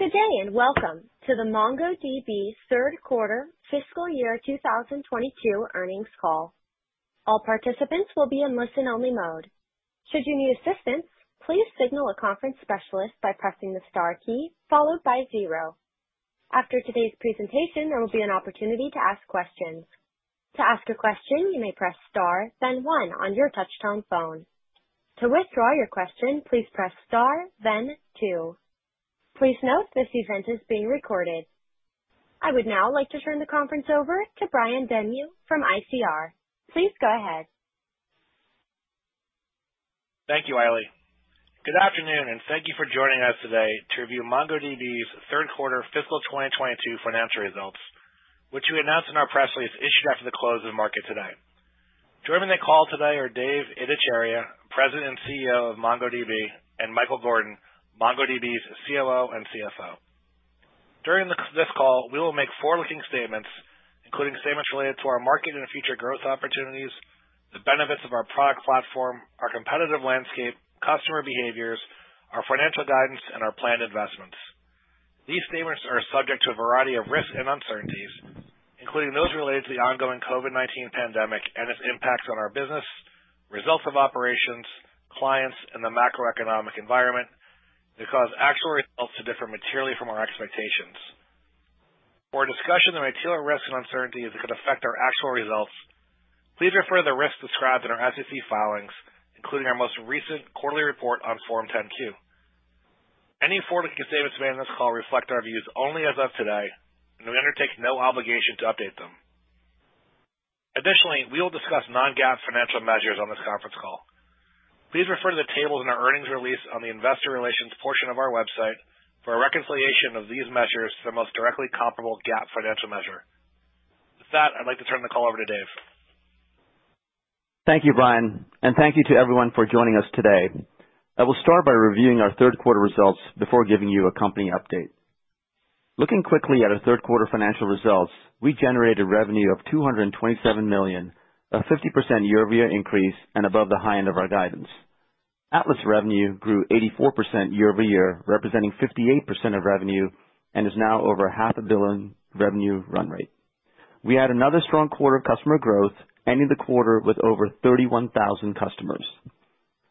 Good day, and welcome to the MongoDB third quarter fiscal year 2022 earnings call. All participants will be in listen-only mode. Should you need assistance, please signal a conference specialist by pressing the star key followed by zero. After today's presentation, there will be an opportunity to ask questions. To ask a question, you may press star then one on your touchtone phone. To withdraw your question, please press star then two. Please note this event is being recorded. I would now like to turn the conference over to Brian Denyeau from ICR. Please go ahead. Thank you, Allie. Good afternoon, and thank you for joining us today to review MongoDB's third quarter fiscal 2022 financial results, which we announced in our press release issued after the close of the market today. Joining the call today are Dev Ittycheria, President and CEO of MongoDB, and Michael Gordon, MongoDB's COO and CFO. During this call, we will make forward-looking statements, including statements related to our market and future growth opportunities, the benefits of our product platform, our competitive landscape, customer behaviors, our financial guidance, and our planned investments. These statements are subject to a variety of risks and uncertainties, including those related to the ongoing COVID-19 pandemic and its impacts on our business, results of operations, clients, and the macroeconomic environment. They cause actual results to differ materially from our expectations. For a discussion of material risks and uncertainties that could affect our actual results, please refer to the risks described in our SEC filings, including our most recent quarterly report on Form 10-Q. Any forward-looking statements made on this call reflect our views only as of today, and we undertake no obligation to update them. Additionally, we will discuss non-GAAP financial measures on this conference call. Please refer to the tables in our earnings release on the investor relations portion of our website for a reconciliation of these measures to the most directly comparable GAAP financial measure. With that, I'd like to turn the call over to Dev. Thank you, Brian, and thank you to everyone for joining us today. I will start by reviewing our third quarter results before giving you a company update. Looking quickly at our third quarter financial results, we generated revenue of $227 million, a 50% year-over-year increase and above the high end of our guidance. Atlas revenue grew 84% year-over-year, representing 58% of revenue and is now over $0.5 billion revenue run rate. We had another strong quarter of customer growth, ending the quarter with over 31,000 customers.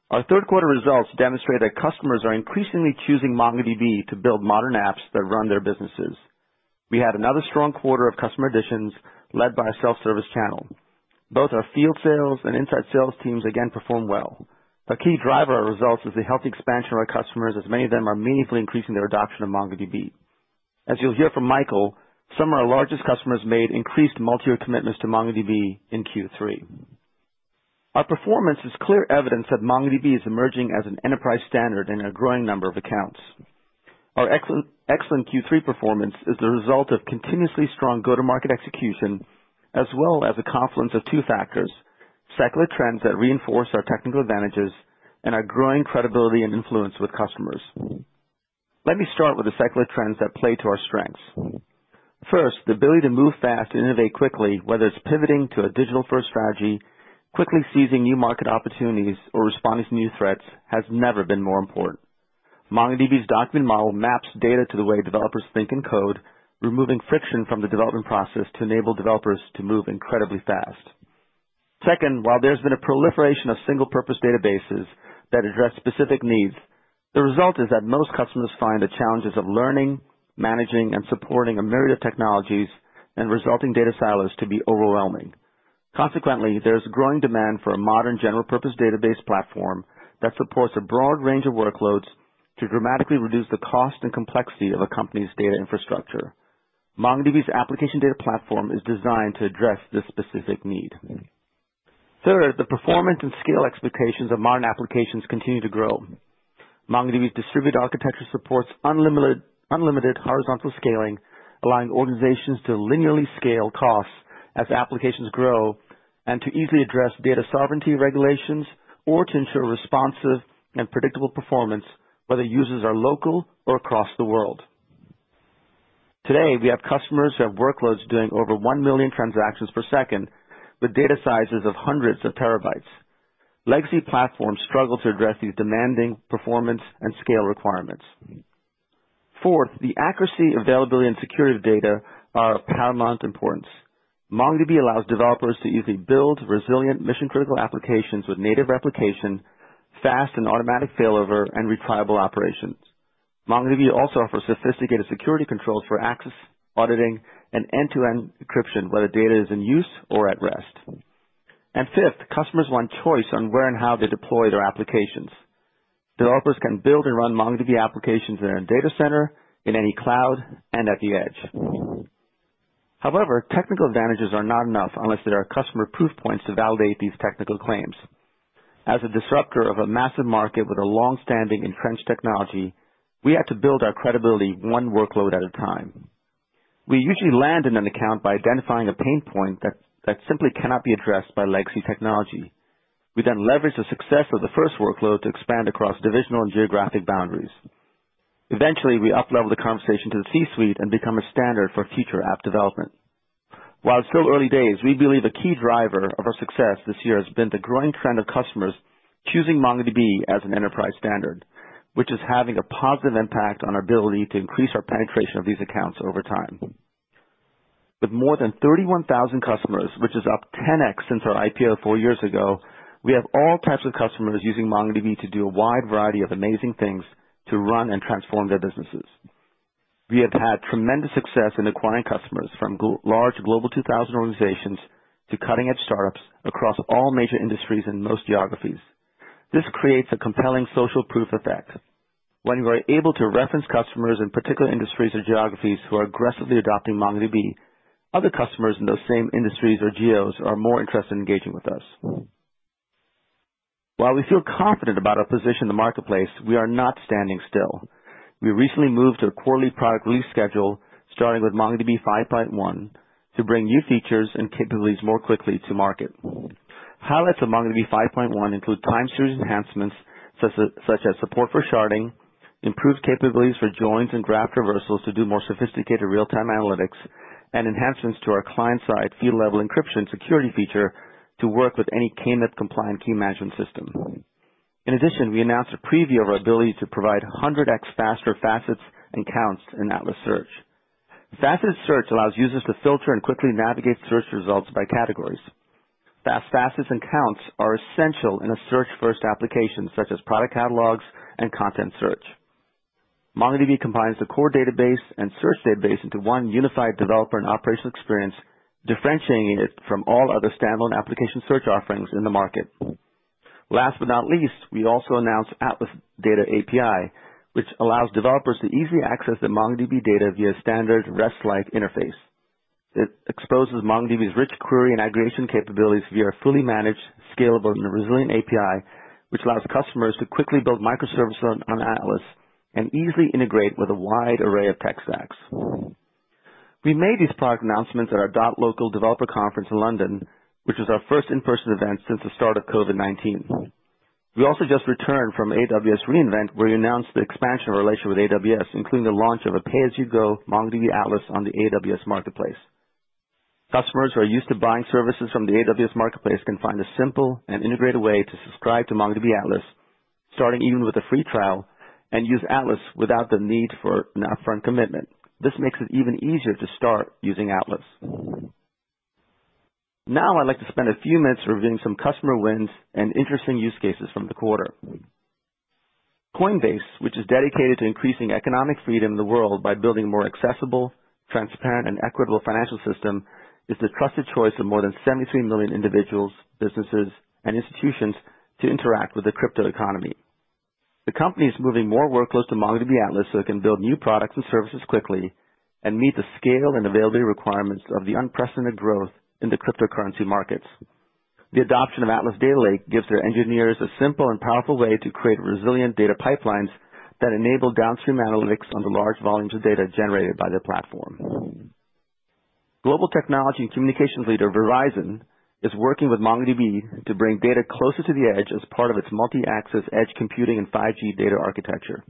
Our third quarter results demonstrate that customers are increasingly choosing MongoDB to build modern apps that run their businesses. We had another strong quarter of customer additions led by our self-service channel. Both our field sales and inside sales teams again performed well. A key driver of results is the healthy expansion of our customers, as many of them are meaningfully increasing their adoption of MongoDB. As you'll hear from Michael, some of our largest customers made increased multi-year commitments to MongoDB in Q3. Our performance is clear evidence that MongoDB is emerging as an enterprise standard in a growing number of accounts. Our excellent Q3 performance is the result of continuously strong go-to-market execution, as well as a confluence of two factors, secular trends that reinforce our technical advantages and our growing credibility and influence with customers. Let me start with the secular trends that play to our strengths. First, the ability to move fast and innovate quickly, whether it's pivoting to a digital-first strategy, quickly seizing new market opportunities or responding to new threats, has never been more important. MongoDB's document model maps data to the way developers think and code, removing friction from the development process to enable developers to move incredibly fast. Second, while there's been a proliferation of single-purpose databases that address specific needs, the result is that most customers find the challenges of learning, managing, and supporting a myriad of technologies and resulting data silos to be overwhelming. Consequently, there's growing demand for a modern general-purpose database platform that supports a broad range of workloads to dramatically reduce the cost and complexity of a company's data infrastructure. MongoDB's application data platform is designed to address this specific need. Third, the performance and scale expectations of modern applications continue to grow. MongoDB's distributed architecture supports unlimited horizontal scaling, allowing organizations to linearly scale costs as applications grow and to easily address data sovereignty regulations or to ensure responsive and predictable performance, whether users are local or across the world. Today, we have customers who have workloads doing over 1 million transactions per second with data sizes of hundreds of terabytes. Legacy platforms struggle to address these demanding performance and scale requirements. Fourth, the accuracy, availability, and security of data are of paramount importance. MongoDB allows developers to easily build resilient mission-critical applications with native replication, fast and automatic failover, and retriable operations. MongoDB also offers sophisticated security controls for access, auditing, and end-to-end encryption, whether data is in use or at rest. Fifth, customers want choice on where and how they deploy their applications. Developers can build and run MongoDB applications in their own data center, in any cloud, and at the edge. However, technical advantages are not enough unless there are customer proof points to validate these technical claims. As a disruptor of a massive market with a long-standing entrenched technology, we had to build our credibility one workload at a time. We usually land in an account by identifying a pain point that simply cannot be addressed by legacy technology. We then leverage the success of the first workload to expand across divisional and geographic boundaries. Eventually, we up-level the conversation to the C-suite and become a standard for future app development. While it's still early days, we believe a key driver of our success this year has been the growing trend of customers choosing MongoDB as an enterprise standard, which is having a positive impact on our ability to increase our penetration of these accounts over time. With more than 31,000 customers, which is up 10x since our IPO four years ago, we have all types of customers using MongoDB to do a wide variety of amazing things to run and transform their businesses. We have had tremendous success in acquiring customers from large Global 2,000 organizations to cutting-edge startups across all major industries and most geographies. This creates a compelling social proof effect. When we are able to reference customers in particular industries or geographies who are aggressively adopting MongoDB, other customers in those same industries or geos are more interested in engaging with us. While we feel confident about our position in the marketplace, we are not standing still. We recently moved to a quarterly product release schedule starting with MongoDB 5.1 to bring new features and capabilities more quickly to market. Highlights of MongoDB 5.1 include time series enhancements such as support for sharding, improved capabilities for joins and graph traversals to do more sophisticated real-time analytics and enhancements to our client-side field level encryption security feature to work with any KMIP compliant key management system. In addition, we announced a preview of our ability to provide 100x faster facets and counts in Atlas Search. Faceted search allows users to filter and quickly navigate search results by categories. Fast facets and counts are essential in a search-first application such as product catalogs and content search. MongoDB combines the core database and search database into one unified developer and operational experience, differentiating it from all other standalone application search offerings in the market. Last but not least, we also announced Atlas Data API, which allows developers to easily access the MongoDB data via standard REST-like interface. It exposes MongoDB's rich query and aggregation capabilities via fully managed, scalable, and resilient API, which allows customers to quickly build microservice on Atlas and easily integrate with a wide array of tech stacks. We made these product announcements at our MongoDB.local developer conference in London, which was our first in-person event since the start of COVID-19. We also just returned from AWS re:Invent, where we announced the expansion of relationship with AWS, including the launch of a pay-as-you-go MongoDB Atlas on the AWS Marketplace. Customers who are used to buying services from the AWS Marketplace can find a simple and integrated way to subscribe to MongoDB Atlas, starting even with a free trial, and use Atlas without the need for an upfront commitment. This makes it even easier to start using Atlas. Now, I'd like to spend a few minutes reviewing some customer wins and interesting use cases from the quarter. Coinbase, which is dedicated to increasing economic freedom in the world by building more accessible, transparent, and equitable financial system, is the trusted choice of more than 73 million individuals, businesses, and institutions to interact with the crypto economy. The company is moving more workloads to MongoDB Atlas so it can build new products and services quickly and meet the scale and availability requirements of the unprecedented growth in the cryptocurrency markets. The adoption of Atlas Data Lake gives their engineers a simple and powerful way to create resilient data pipelines that enable downstream analytics on the large volumes of data generated by their platform. Global technology and communications leader Verizon is working with MongoDB to bring data closer to the edge as part of its multi-access edge computing and 5G data architecture.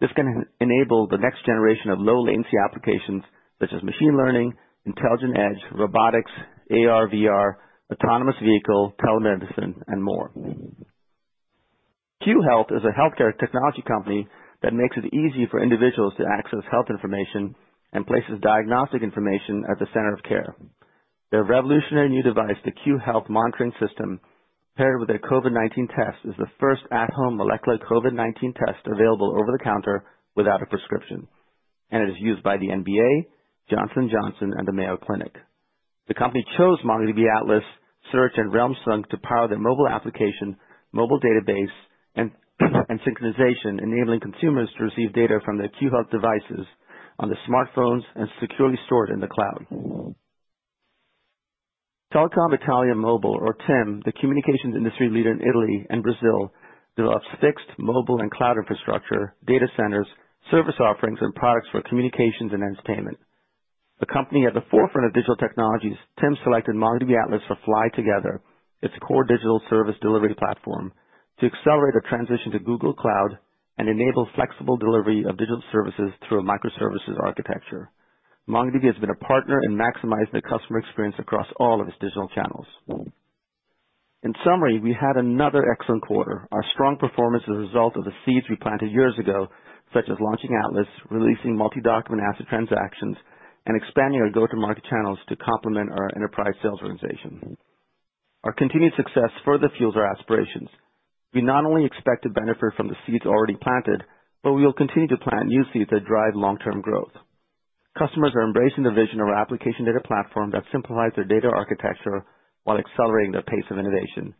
This can enable the next generation of low latency applications such as machine learning, intelligent edge, robotics, AR/VR, autonomous vehicle, telemedicine, and more. Cue Health is a healthcare technology company that makes it easy for individuals to access health information and places diagnostic information at the center of care. Their revolutionary new device, the Cue Health Monitoring System, paired with their COVID-19 test, is the first at-home molecular COVID-19 test available over the counter without a prescription, and is used by the NBA, Johnson & Johnson, and the Mayo Clinic. The company chose MongoDB, Atlas Search, and Realm Sync to power their mobile application, mobile database, and synchronization, enabling consumers to receive data from their Cue Health devices on their smartphones and securely stored in the cloud. Telecom Italia Mobile or TIM, the communications industry leader in Italy and Brazil, develops fixed mobile and cloud infrastructure, data centers, service offerings, and products for communications and entertainment. The company at the forefront of digital technologies, TIM selected MongoDB Atlas to tie together its core digital service delivery platform to accelerate the transition to Google Cloud and enable flexible delivery of digital services through a microservices architecture. MongoDB has been a partner in maximizing the customer experience across all of its digital channels. In summary, we had another excellent quarter. Our strong performance is a result of the seeds we planted years ago, such as launching Atlas, releasing multi-document ACID transactions, and expanding our go-to-market channels to complement our enterprise sales organization. Our continued success further fuels our aspirations. We not only expect to benefit from the seeds already planted, but we will continue to plant new seeds that drive long-term growth. Customers are embracing the vision of our application data platform that simplifies their data architecture while accelerating their pace of innovation.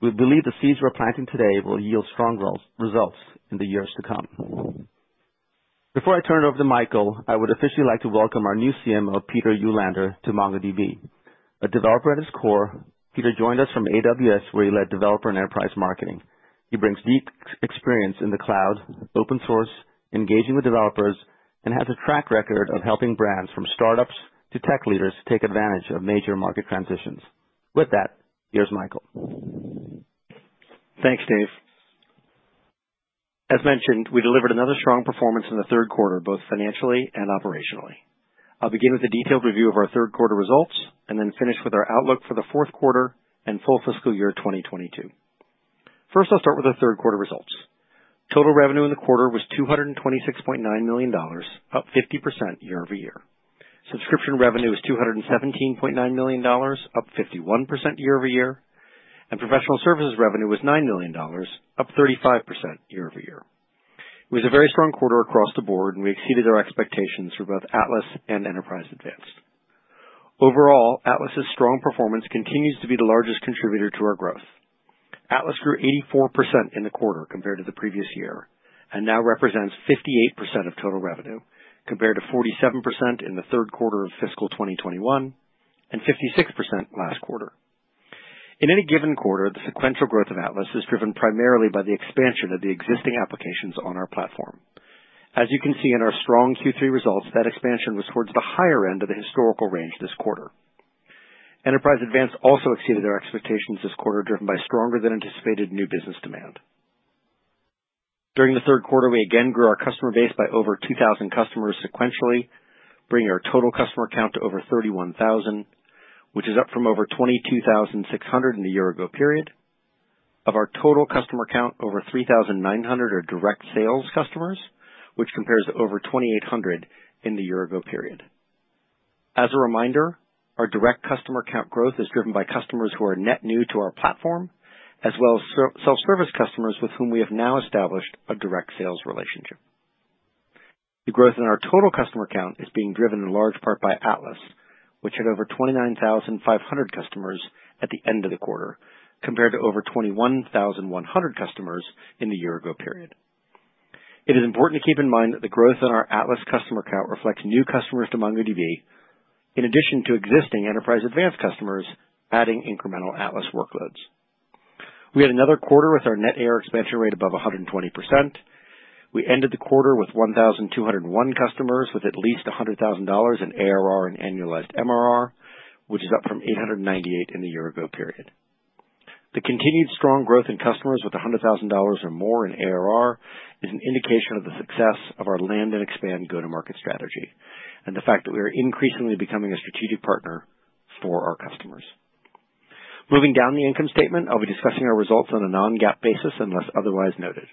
We believe the seeds we're planting today will yield strong growth results in the years to come. Before I turn it over to Michael, I would officially like to welcome our new CMO, Peder Ulander, to MongoDB. A developer at his core, Peder joined us from AWS, where he led developer and enterprise marketing. He brings deep experience in the cloud, open source, engaging with developers, and has a track record of helping brands from startups to tech leaders take advantage of major market transitions. With that, here's Michael. Thanks, Dev. As mentioned, we delivered another strong performance in the third quarter, both financially and operationally. I'll begin with a detailed review of our third quarter results, and then finish with our outlook for the fourth quarter and full fiscal year 2022. First, I'll start with our third quarter results. Total revenue in the quarter was $226.9 million, up 50% year-over-year. Subscription revenue was $217.9 million, up 51% year-over-year. Professional services revenue was $9 million, up 35% year-over-year. It was a very strong quarter across the board, and we exceeded our expectations for both Atlas and Enterprise Advanced. Overall, Atlas's strong performance continues to be the largest contributor to our growth. Atlas grew 84% in the quarter compared to the previous year, and now represents 58% of total revenue, compared to 47% in the third quarter of fiscal 2021 and 56% last quarter. In any given quarter, the sequential growth of Atlas is driven primarily by the expansion of the existing applications on our platform. As you can see in our strong Q3 results, that expansion was towards the higher end of the historical range this quarter. Enterprise Advanced also exceeded our expectations this quarter, driven by stronger than anticipated new business demand. During the third quarter, we again grew our customer base by over 2,000 customers sequentially, bringing our total customer count to over 31,000, which is up from over 22,600 in the year ago period. Of our total customer count, over 3,900 are direct sales customers, which compares to over 2,800 in the year ago period. As a reminder, our direct customer count growth is driven by customers who are net new to our platform, as well as self-service customers with whom we have now established a direct sales relationship. The growth in our total customer count is being driven in large part by Atlas, which had over 29,500 customers at the end of the quarter, compared to over 21,100 customers in the year ago period. It is important to keep in mind that the growth in our Atlas customer count reflects new customers to MongoDB, in addition to existing Enterprise Advanced customers adding incremental Atlas workloads. We had another quarter with our net ARR expansion rate above 120%. We ended the quarter with 1,201 customers with at least $100,000 in ARR and annualized MRR, which is up from 898 in the year ago period. The continued strong growth in customers with $100,000 or more in ARR is an indication of the success of our land and expand go-to-market strategy, and the fact that we are increasingly becoming a strategic partner for our customers. Moving down the income statement, I'll be discussing our results on a non-GAAP basis unless otherwise noted.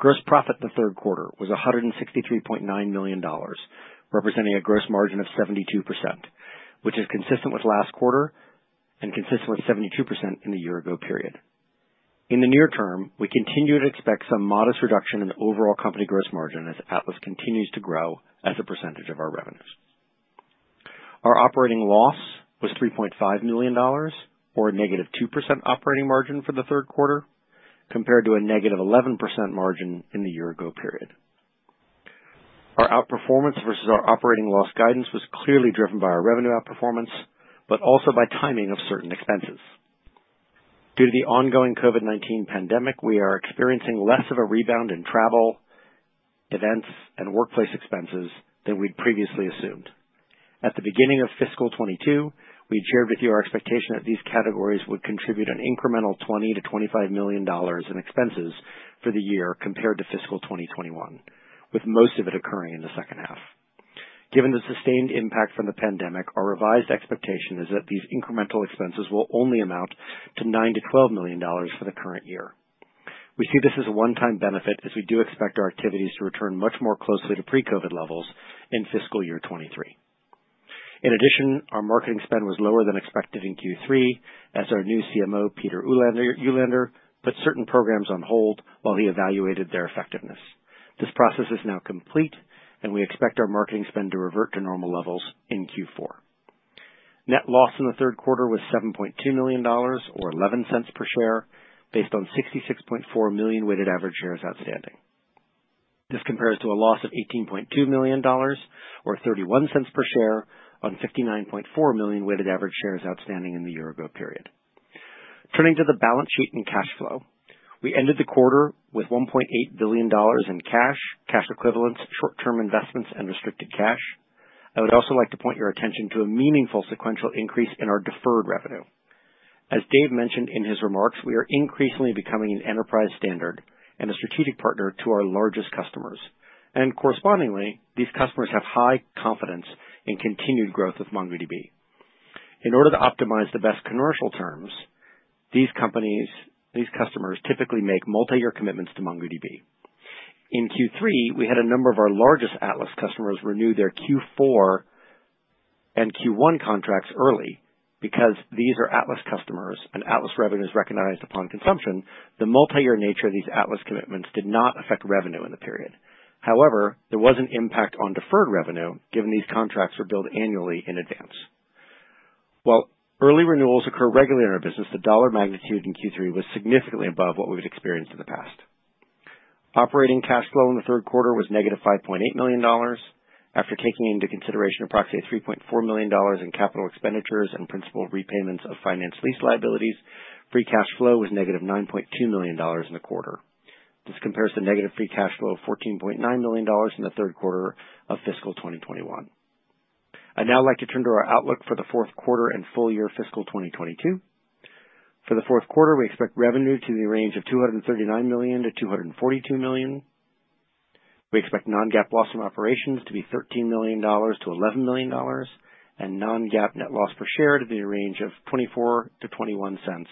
Gross profit in the third quarter was $163.9 million, representing a gross margin of 72%, which is consistent with last quarter and consistent with 72% in the year ago period. In the near-term, we continue to expect some modest reduction in the overall company gross margin as Atlas continues to grow as a percentage of our revenues. Our operating loss was $3.5 million or a -2% operating margin for the third quarter, compared to a -11% margin in the year ago period. Our outperformance versus our operating loss guidance was clearly driven by our revenue outperformance, but also by timing of certain expenses. Due to the ongoing COVID-19 pandemic, we are experiencing less of a rebound in travel, events, and workplace expenses than we'd previously assumed. At the beginning of fiscal 2022, we had shared with you our expectation that these categories would contribute an incremental $20 million-$25 million in expenses for the year compared to fiscal 2021, with most of it occurring in the second half. Given the sustained impact from the pandemic, our revised expectation is that these incremental expenses will only amount to $9-$12 million for the current year. We see this as a one-time benefit as we do expect our activities to return much more closely to pre-COVID levels in fiscal year 2023. In addition, our marketing spend was lower than expected in Q3 as our new CMO, Peder Ulander, put certain programs on hold while he evaluated their effectiveness. This process is now complete, and we expect our marketing spend to revert to normal levels in Q4. Net loss in the third quarter was $7.2 million or 11 cents per share based on 66.4 million weighted average shares outstanding. This compares to a loss of $18.2 million or $0.31 per share on 59.4 million weighted average shares outstanding in the year ago period. Turning to the balance sheet and cash flow, we ended the quarter with $1.8 billion in cash equivalents, short-term investments, and restricted cash. I would also like to point your attention to a meaningful sequential increase in our deferred revenue. As Dev mentioned in his remarks, we are increasingly becoming an enterprise standard and a strategic partner to our largest customers. Correspondingly, these customers have high confidence in continued growth of MongoDB. In order to optimize the best commercial terms, these customers typically make multi-year commitments to MongoDB. In Q3, we had a number of our largest Atlas customers renew their Q4 and Q1 contracts early. Because these are Atlas customers and Atlas revenue is recognized upon consumption, the multi-year nature of these Atlas commitments did not affect revenue in the period. However, there was an impact on deferred revenue given these contracts were billed annually in advance. While early renewals occur regularly in our business, the dollar magnitude in Q3 was significantly above what we've experienced in the past. Operating cash flow in the third quarter was -$5.8 million. After taking into consideration approximately $3.4 million in capital expenditures and principal repayments of finance lease liabilities, free cash flow was -$9.2 million in the quarter. This compares to negative free cash flow of $14.9 million in the third quarter of fiscal 2021. I'd now like to turn to our outlook for the fourth quarter and full-year fiscal 2022. For the fourth quarter, we expect revenue to be in the range of $239 million-$242 million. We expect non-GAAP loss from operations to be $13 million-$11 million and non-GAAP net loss per share to be in the range of $0.24-$0.21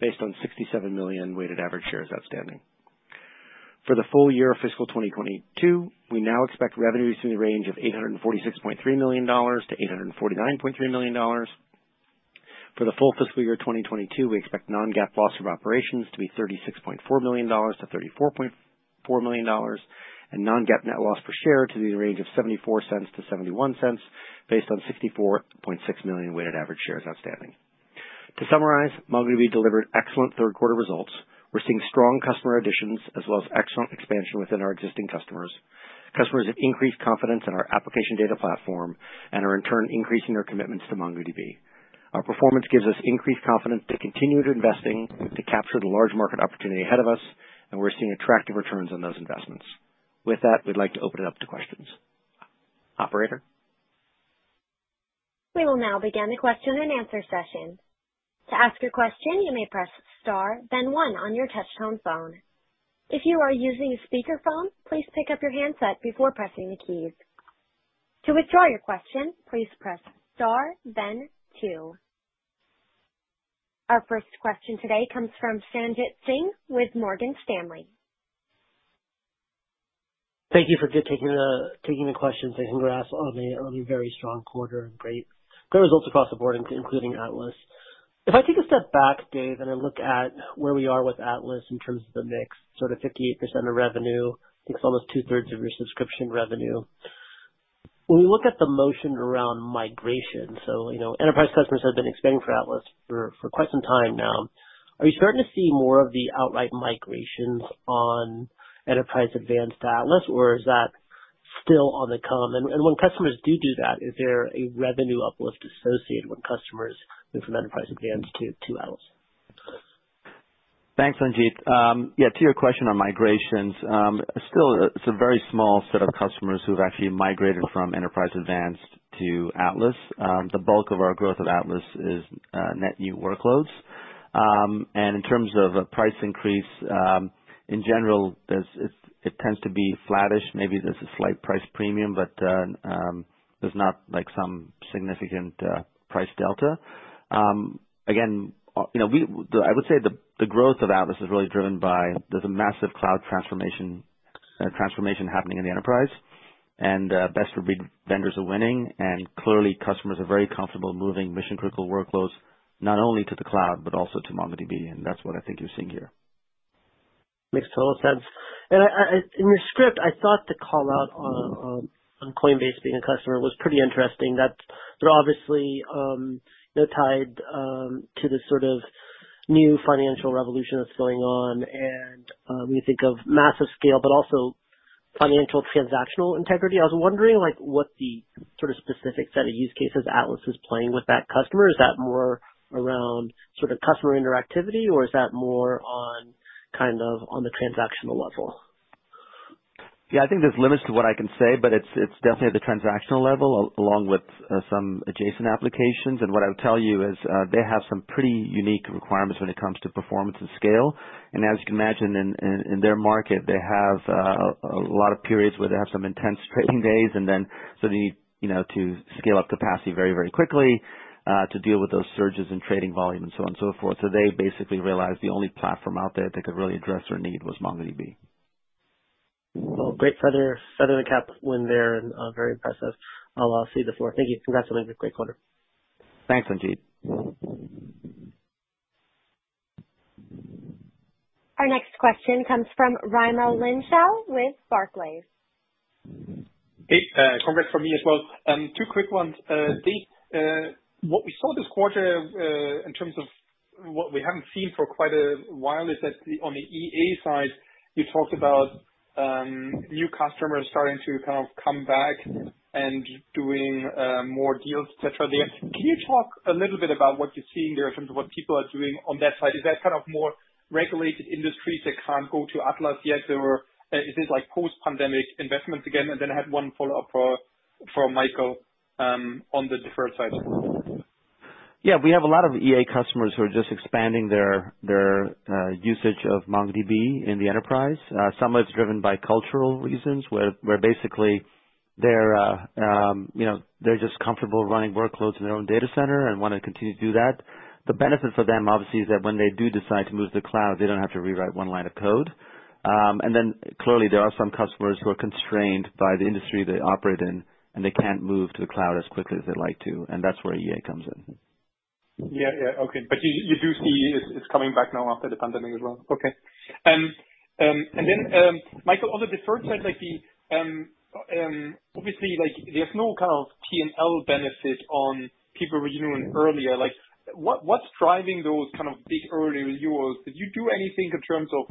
based on 67 million weighted average shares outstanding. For the full-year fiscal 2022, we now expect revenues in the range of $846.3 million-$849.3 million. For the full fiscal year 2022, we expect non-GAAP loss from operations to be $36.4 million-$34.4 million and non-GAAP net loss per share to be in the range of $0.74-$0.71 based on 64.6 million weighted average shares outstanding. To summarize, MongoDB delivered excellent third quarter results. We're seeing strong customer additions as well as excellent expansion within our existing customers. Customers have increased confidence in our application data platform and are in turn increasing their commitments to MongoDB. Our performance gives us increased confidence to continue investing, to capture the large market opportunity ahead of us, and we're seeing attractive returns on those investments. With that, we'd like to open it up to questions. Operator? Our first question today comes from Sanjit Singh with Morgan Stanley. Thank you for taking the question. Congratulations on a very strong quarter and great, good results across the board, including Atlas. If I take a step back, Dev, and I look at where we are with Atlas in terms of the mix, so the 58% of revenue, it's almost two-thirds of your subscription revenue. When we look at the motion around migration, so, you know, enterprise customers have been expanding for Atlas for quite some time now. Are you starting to see more of the outright migrations on Enterprise Advanced Atlas, or is that still on the come? When customers do that, is there a revenue uplift associated when customers move from Enterprise Advanced to Atlas? Thanks, Sanjit. Yeah, to your question on migrations, still it's a very small set of customers who have actually migrated from Enterprise Advanced to Atlas. The bulk of our growth of Atlas is net new workloads. In terms of a price increase, in general, it tends to be flattish. Maybe there's a slight price premium, but there's not like some significant price delta. Again, you know, I would say the growth of Atlas is really driven by a massive cloud transformation happening in the enterprise and best-of-breed vendors are winning, and clearly customers are very comfortable moving mission-critical workloads not only to the cloud but also to MongoDB, and that's what I think you're seeing here. Makes total sense. I, in your script, I thought the call-out on Coinbase being a customer was pretty interesting. That's. They're obviously, they're tied to this sort of new financial revolution that's going on. When you think of massive scale, but also financial transactional integrity, I was wondering, like, what the sort of specific set of use cases Atlas is playing with that customer. Is that more around sort of customer interactivity, or is that more on kind of on the transactional level? Yeah. I think there's limits to what I can say, but it's definitely at the transactional level along with some adjacent applications. What I would tell you is, they have some pretty unique requirements when it comes to performance and scale. As you can imagine in their market, they have a lot of periods where they have some intense trading days and then so they need, you know, to scale up capacity very, very quickly to deal with those surges in trading volume and so on and so forth. So they basically realized the only platform out there that could really address their need was MongoDB. Well, great feather in the cap when they're very impressive. I'll cede the floor. Thank you. Congrats on a great quarter. Thanks, Sanjit. Our next question comes from Raimo Lenschow with Barclays. Hey. Congrats from me as well. Two quick ones. Dev, what we saw this quarter, in terms of what we haven't seen for quite a while is that on the EA side, you talked about, new customers starting to kind of come back and doing, more deals, et cetera, there. Can you talk a little bit about what you're seeing there in terms of what people are doing on that side? Is that kind of more regulated industries that can't go to Atlas yet? Or, is this like post-pandemic investments again? I had one follow-up for Michael, on the deferred side. Yeah. We have a lot of EA customers who are just expanding their usage of MongoDB in the enterprise. Some of it's driven by cultural reasons, where basically they're you know, they're just comfortable running workloads in their own data center and wanna continue to do that. The benefit for them obviously is that when they do decide to move to the cloud, they don't have to rewrite one line of code. And then clearly there are some customers who are constrained by the industry they operate in, and they can't move to the cloud as quickly as they'd like to, and that's where EA comes in. Yeah. Okay. You do see it's coming back now after the pandemic as well? Okay. Michael, on the deferred side, like, obviously, like there's no kind of P&L benefit on people renewing earlier. Like, what's driving those kind of big early renewals? Did you do anything in terms of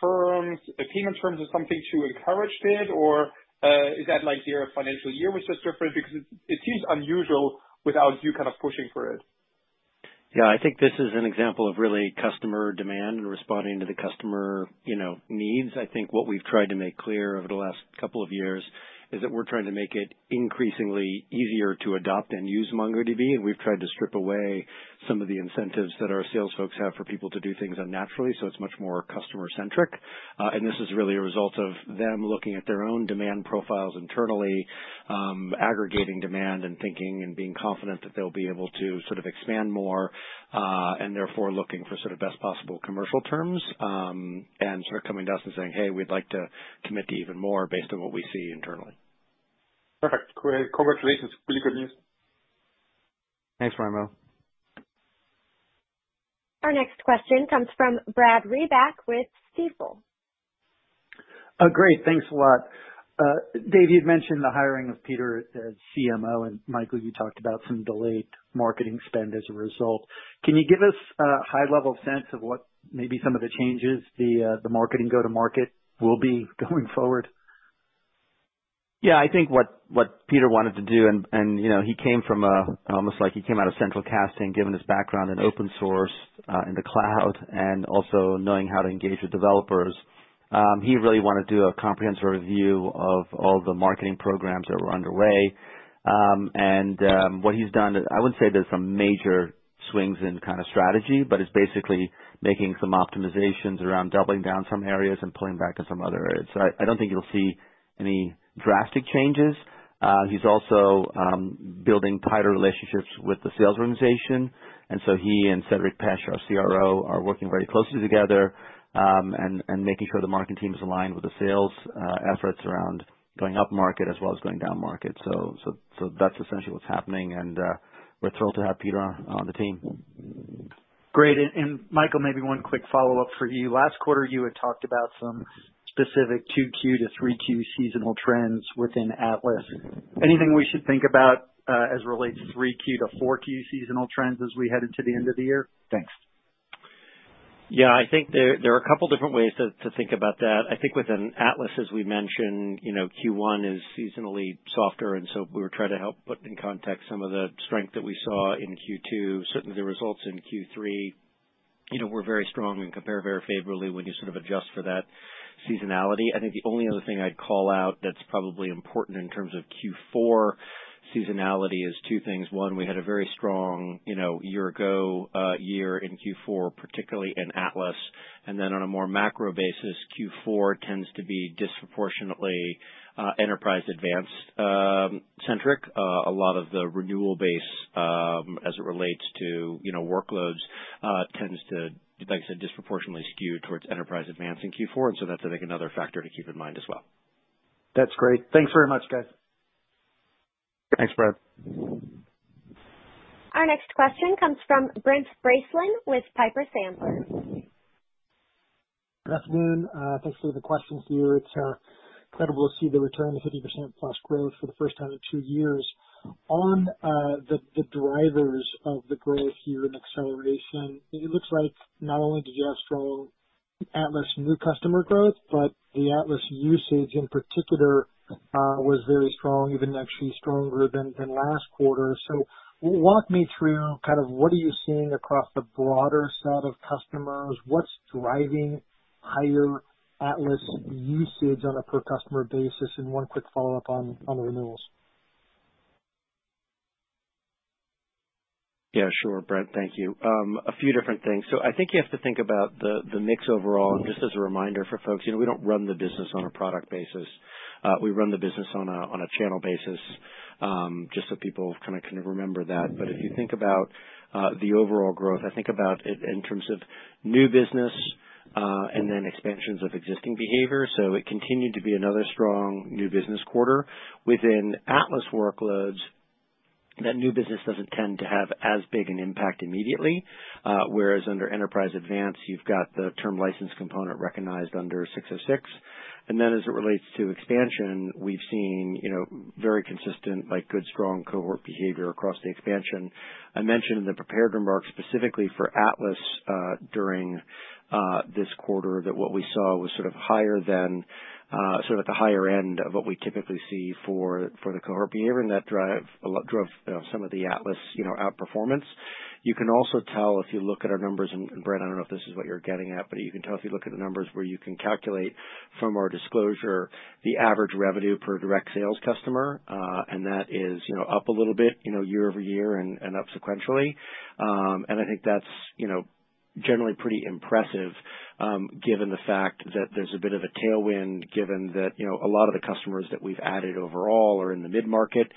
terms, like payment terms or something to encourage this? Or, is that like your financial year was just different? Because it seems unusual without you kind of pushing for it. Yeah, I think this is an example of really customer demand and responding to the customer, you know, needs. I think what we've tried to make clear over the last couple of years is that we're trying to make it increasingly easier to adopt and use MongoDB, and we've tried to strip away some of the incentives that our sales folks have for people to do things unnaturally, so it's much more customer-centric. This is really a result of them looking at their own demand profiles internally, aggregating demand and thinking and being confident that they'll be able to sort of expand more, and therefore looking for sort of best possible commercial terms, and sort of coming to us and saying, "Hey, we'd like to commit to even more based on what we see internally. Perfect. Great. Congratulations. Really good news. Thanks, Raimo. Our next question comes from Brad Reback with Stifel. Great. Thanks a lot. Dev, you'd mentioned the hiring of Peder as CMO and Michael, you talked about some delayed marketing spend as a result. Can you give us a high level sense of what maybe some of the changes the marketing go to market will be going forward? Yeah, I think what Peder wanted to do and you know, he came from almost like he came out of central casting, given his background in open source, in the cloud, and also knowing how to engage with developers. He really wanna do a comprehensive review of all the marketing programs that were underway. What he's done, I wouldn't say there's some major swings in kind of strategy, but it's basically making some optimizations around doubling down some areas and pulling back in some other areas. I don't think you'll see any drastic changes. He's also building tighter relationships with the sales organization, and so he and Cedric Pech, our CRO, are working very closely together, and making sure the marketing team is aligned with the sales efforts around going up market as well as going down market. That's essentially what's happening, and we're thrilled to have Peder on the team. Great. Michael, maybe one quick follow-up for you. Last quarter, you had talked about some specific 2Q -3Q seasonal trends within Atlas. Anything we should think about, as it relates to 3Q -4Q seasonal trends as we head into the end of the year? Thanks. Yeah. I think there are a couple different ways to think about that. I think within Atlas, as we mentioned, you know, Q1 is seasonally softer, and so we were trying to help put in context some of the strength that we saw in Q2. Certainly, the results in Q3, you know, were very strong and compare very favorably when you sort of adjust for that seasonality. I think the only other thing I'd call out that's probably important in terms of Q4 seasonality is two things. One, we had a very strong year-ago year in Q4, particularly in Atlas, and then on a more macro basis, Q4 tends to be disproportionately Enterprise Advanced-centric. A lot of the renewal base, as it relates to, you know, workloads, tends to, like I said, disproportionately skewed towards Enterprise Advanced in Q4, and so that's I think another factor to keep in mind as well. That's great. Thanks very much, guys. Thanks, Brad. Our next question comes from Brent Bracelin with Piper Sandler. Good afternoon. Thanks for the questions here. It's incredible to see the return to 50%+ growth for the first time in two years. On the drivers of the growth here and acceleration, it looks like not only do you have strong Atlas new customer growth, but the Atlas usage in particular was very strong, even actually stronger than in last quarter. Walk me through kind of what are you seeing across the broader set of customers. What's driving higher Atlas usage on a per customer basis, and one quick follow-up on renewals. Yeah, sure, Brent. Thank you. A few different things. I think you have to think about the mix overall, and just as a reminder for folks, you know, we don't run the business on a product basis. We run the business on a channel basis, just so people kind of remember that. If you think about the overall growth, I think about it in terms of new business and then expansions of existing behavior. It continued to be another strong new business quarter. Within Atlas workloads, that new business doesn't tend to have as big an impact immediately, whereas under Enterprise Advanced you've got the term license component recognized under ASC 606. Then as it relates to expansion, we've seen, you know, very consistent like good, strong cohort behavior across the expansion. I mentioned in the prepared remarks specifically for Atlas, during this quarter that what we saw was sort of higher than, sort of at the higher end of what we typically see for the cohort behavior, and that drove, you know, some of the Atlas, you know, outperformance. You can also tell if you look at our numbers, and Brent, I don't know if this is what you're getting at, but you can tell if you look at the numbers where you can calculate from our disclosure the average revenue per direct sales customer, and that is, you know, up a little bit, you know, year-over-year and up sequentially. I think that's, you know, generally pretty impressive, given the fact that there's a bit of a tailwind given that, you know, a lot of the customers that we've added overall are in the mid-market,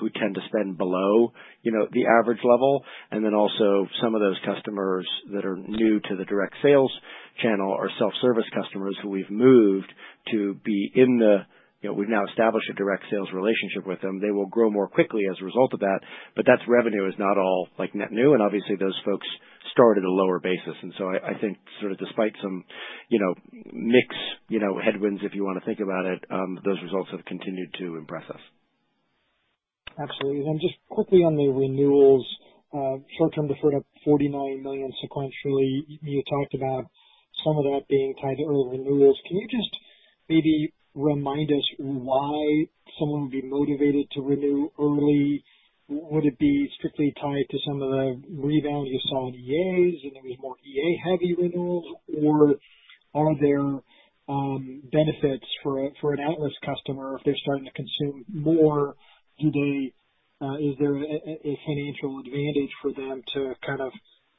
who tend to spend below, you know, the average level. Then also some of those customers that are new to the direct sales channel are self-service customers who we've moved to be in the, you know, we've now established a direct sales relationship with them. They will grow more quickly as a result of that, but that's revenue is not all like net new, and obviously those folks start at a lower basis. I think sort of despite some, you know, mix, you know, headwinds, if you wanna think about it, those results have continued to impress us. Absolutely. Just quickly on the renewals, short-term deferred up $49 million sequentially. You talked about some of that being tied to early renewals. Can you just maybe remind us why someone would be motivated to renew early? Would it be strictly tied to some of the reval you saw in EAs, and there was more EA-heavy renewals? Or- Are there benefits for an Atlas customer if they're starting to consume more? Is there a financial advantage for them to kind of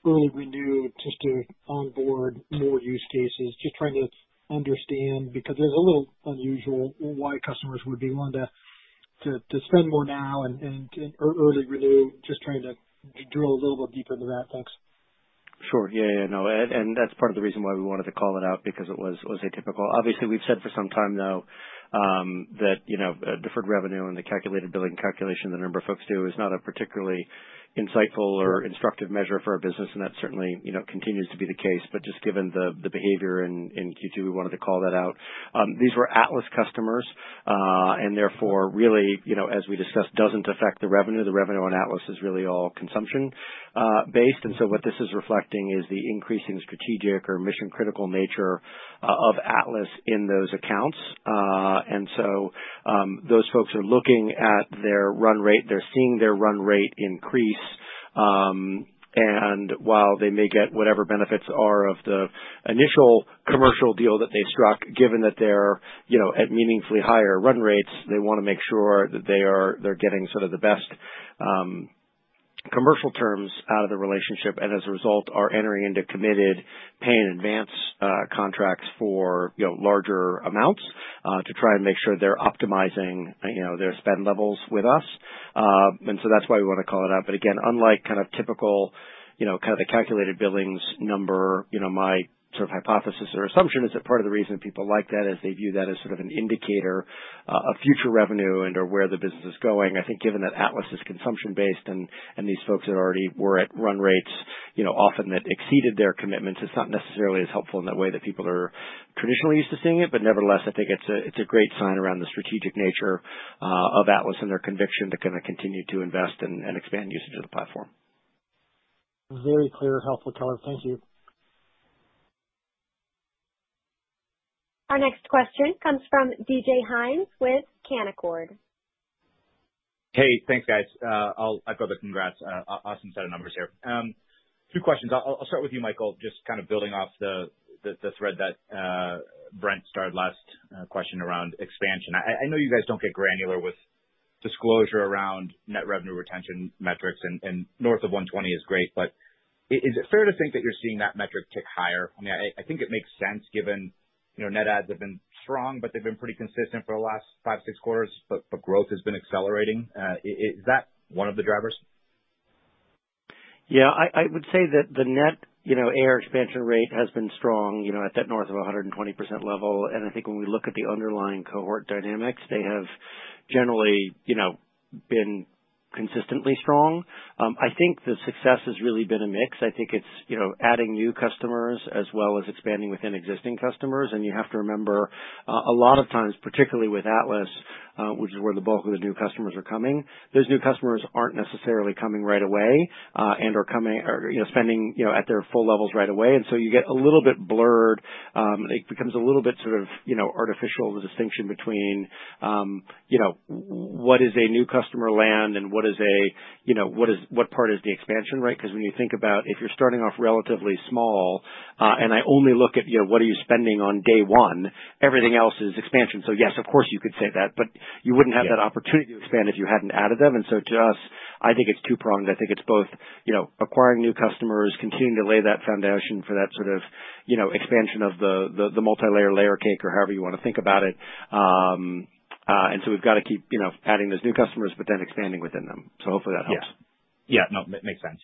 early renew just to onboard more use cases? Just trying to understand, because it's a little unusual why customers would be wanting to spend more now and early renew. Just trying to drill a little bit deeper into that. Thanks. Sure. Yeah, no. That's part of the reason why we wanted to call it out because it was atypical. Obviously, we've said for some time now that, you know, deferred revenue and the calculated billing calculations that a number of folks do is not a particularly insightful or instructive measure for our business, and that certainly, you know, continues to be the case. Just given the behavior in Q2, we wanted to call that out. These were Atlas customers and therefore really, you know, as we discussed, doesn't affect the revenue. The revenue on Atlas is really all consumption based. What this is reflecting is the increasing strategic or mission-critical nature of Atlas in those accounts. Those folks are looking at their run rate. They're seeing their run rate increase, and while they may get whatever benefits of the initial commercial deal that they struck, given that they're, you know, at meaningfully higher run rates, they wanna make sure that they're getting sort of the best commercial terms out of the relationship, and as a result, are entering into committed pay-in-advance contracts for, you know, larger amounts to try and make sure they're optimizing, you know, their spend levels with us. That's why we wanna call it out. Again, unlike kind of typical, you know, kind of the calculated billings number, you know, my sort of hypothesis or assumption is that part of the reason people like that is they view that as sort of an indicator of future revenue and/or where the business is going. I think given that Atlas is consumption based and these folks that already were at run rates, you know, often that exceeded their commitments, it's not necessarily as helpful in that way that people are traditionally used to seeing it. Nevertheless, I think it's a great sign around the strategic nature of Atlas and their conviction to kinda continue to invest and expand usage of the platform. Very clear. Helpful color. Thank you. Our next question comes from DJ Hynes with Canaccord. Hey, thanks, guys. I'll echo the congrats. Awesome set of numbers here. 2 questions. I'll start with you, Michael. Just kind of building off the thread that Brent started last question around expansion. I know you guys don't get granular with disclosure around net revenue retention metrics, and north of 120 is great, but is it fair to think that you're seeing that metric tick higher? I mean, I think it makes sense given, you know, net adds have been strong, but they've been pretty consistent for the last 5, 6 quarters, but growth has been accelerating. Is that one of the drivers? Yeah. I would say that the net ARR expansion rate has been strong, you know, at that north of 120% level. I think when we look at the underlying cohort dynamics, they have generally, you know, been consistently strong. I think the success has really been a mix. I think it's, you know, adding new customers as well as expanding within existing customers. You have to remember, a lot of times, particularly with Atlas, which is where the bulk of the new customers are coming, those new customers aren't necessarily coming right away, and you know, spending, you know, at their full levels right away. So you get a little bit blurred. It becomes a little bit sort of, you know, artificial, the distinction between, you know, what is a new customer land and what is a, you know, what part is the expansion, right? Because when you think about if you're starting off relatively small, and I only look at, you know, what are you spending on day one, everything else is expansion. Yes, of course, you could say that, but you wouldn't have that opportunity to expand if you hadn't added them. To us, I think it's two-pronged. I think it's both, you know, acquiring new customers, continuing to lay that foundation for that sort of, you know, expansion of the multilayer layer cake or however you wanna think about it. We've gotta keep, you know, adding those new customers but then expanding within them. Hopefully that helps. Yeah. Yeah. No, it makes sense.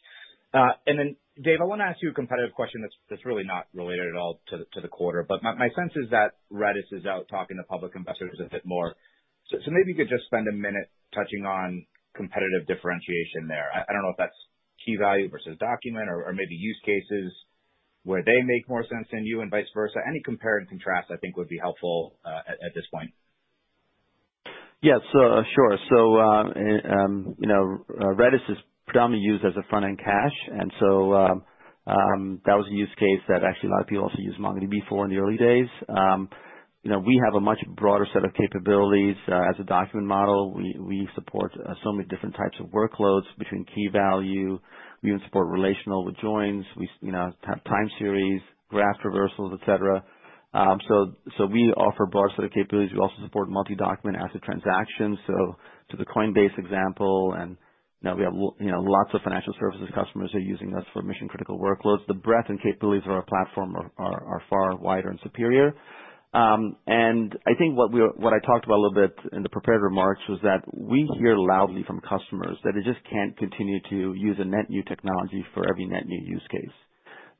Then Dev, I wanna ask you a competitive question that's really not related at all to the quarter, but my sense is that Redis is out talking to public investors a bit more. Maybe you could just spend a minute touching on competitive differentiation there. I don't know if that's key value versus document or maybe use cases where they make more sense than you and vice versa. Any compare and contrast I think would be helpful at this point. Yes. Sure. You know, Redis is predominantly used as a front-end cache. That was a use case that actually a lot of people also used MongoDB for in the early days. You know, we have a much broader set of capabilities as a document model. We support so many different types of workloads between key-value. We even support relational with joins. You know, have time series, graph traversals, et cetera. So we offer a broad set of capabilities. We also support multi-document ACID transactions. To the Coinbase example, you know, we have lots of financial services customers who are using us for mission-critical workloads. The breadth and capabilities of our platform are far wider and superior. I think what I talked about a little bit in the prepared remarks was that we hear loudly from customers that they just can't continue to use a net new technology for every net new use case,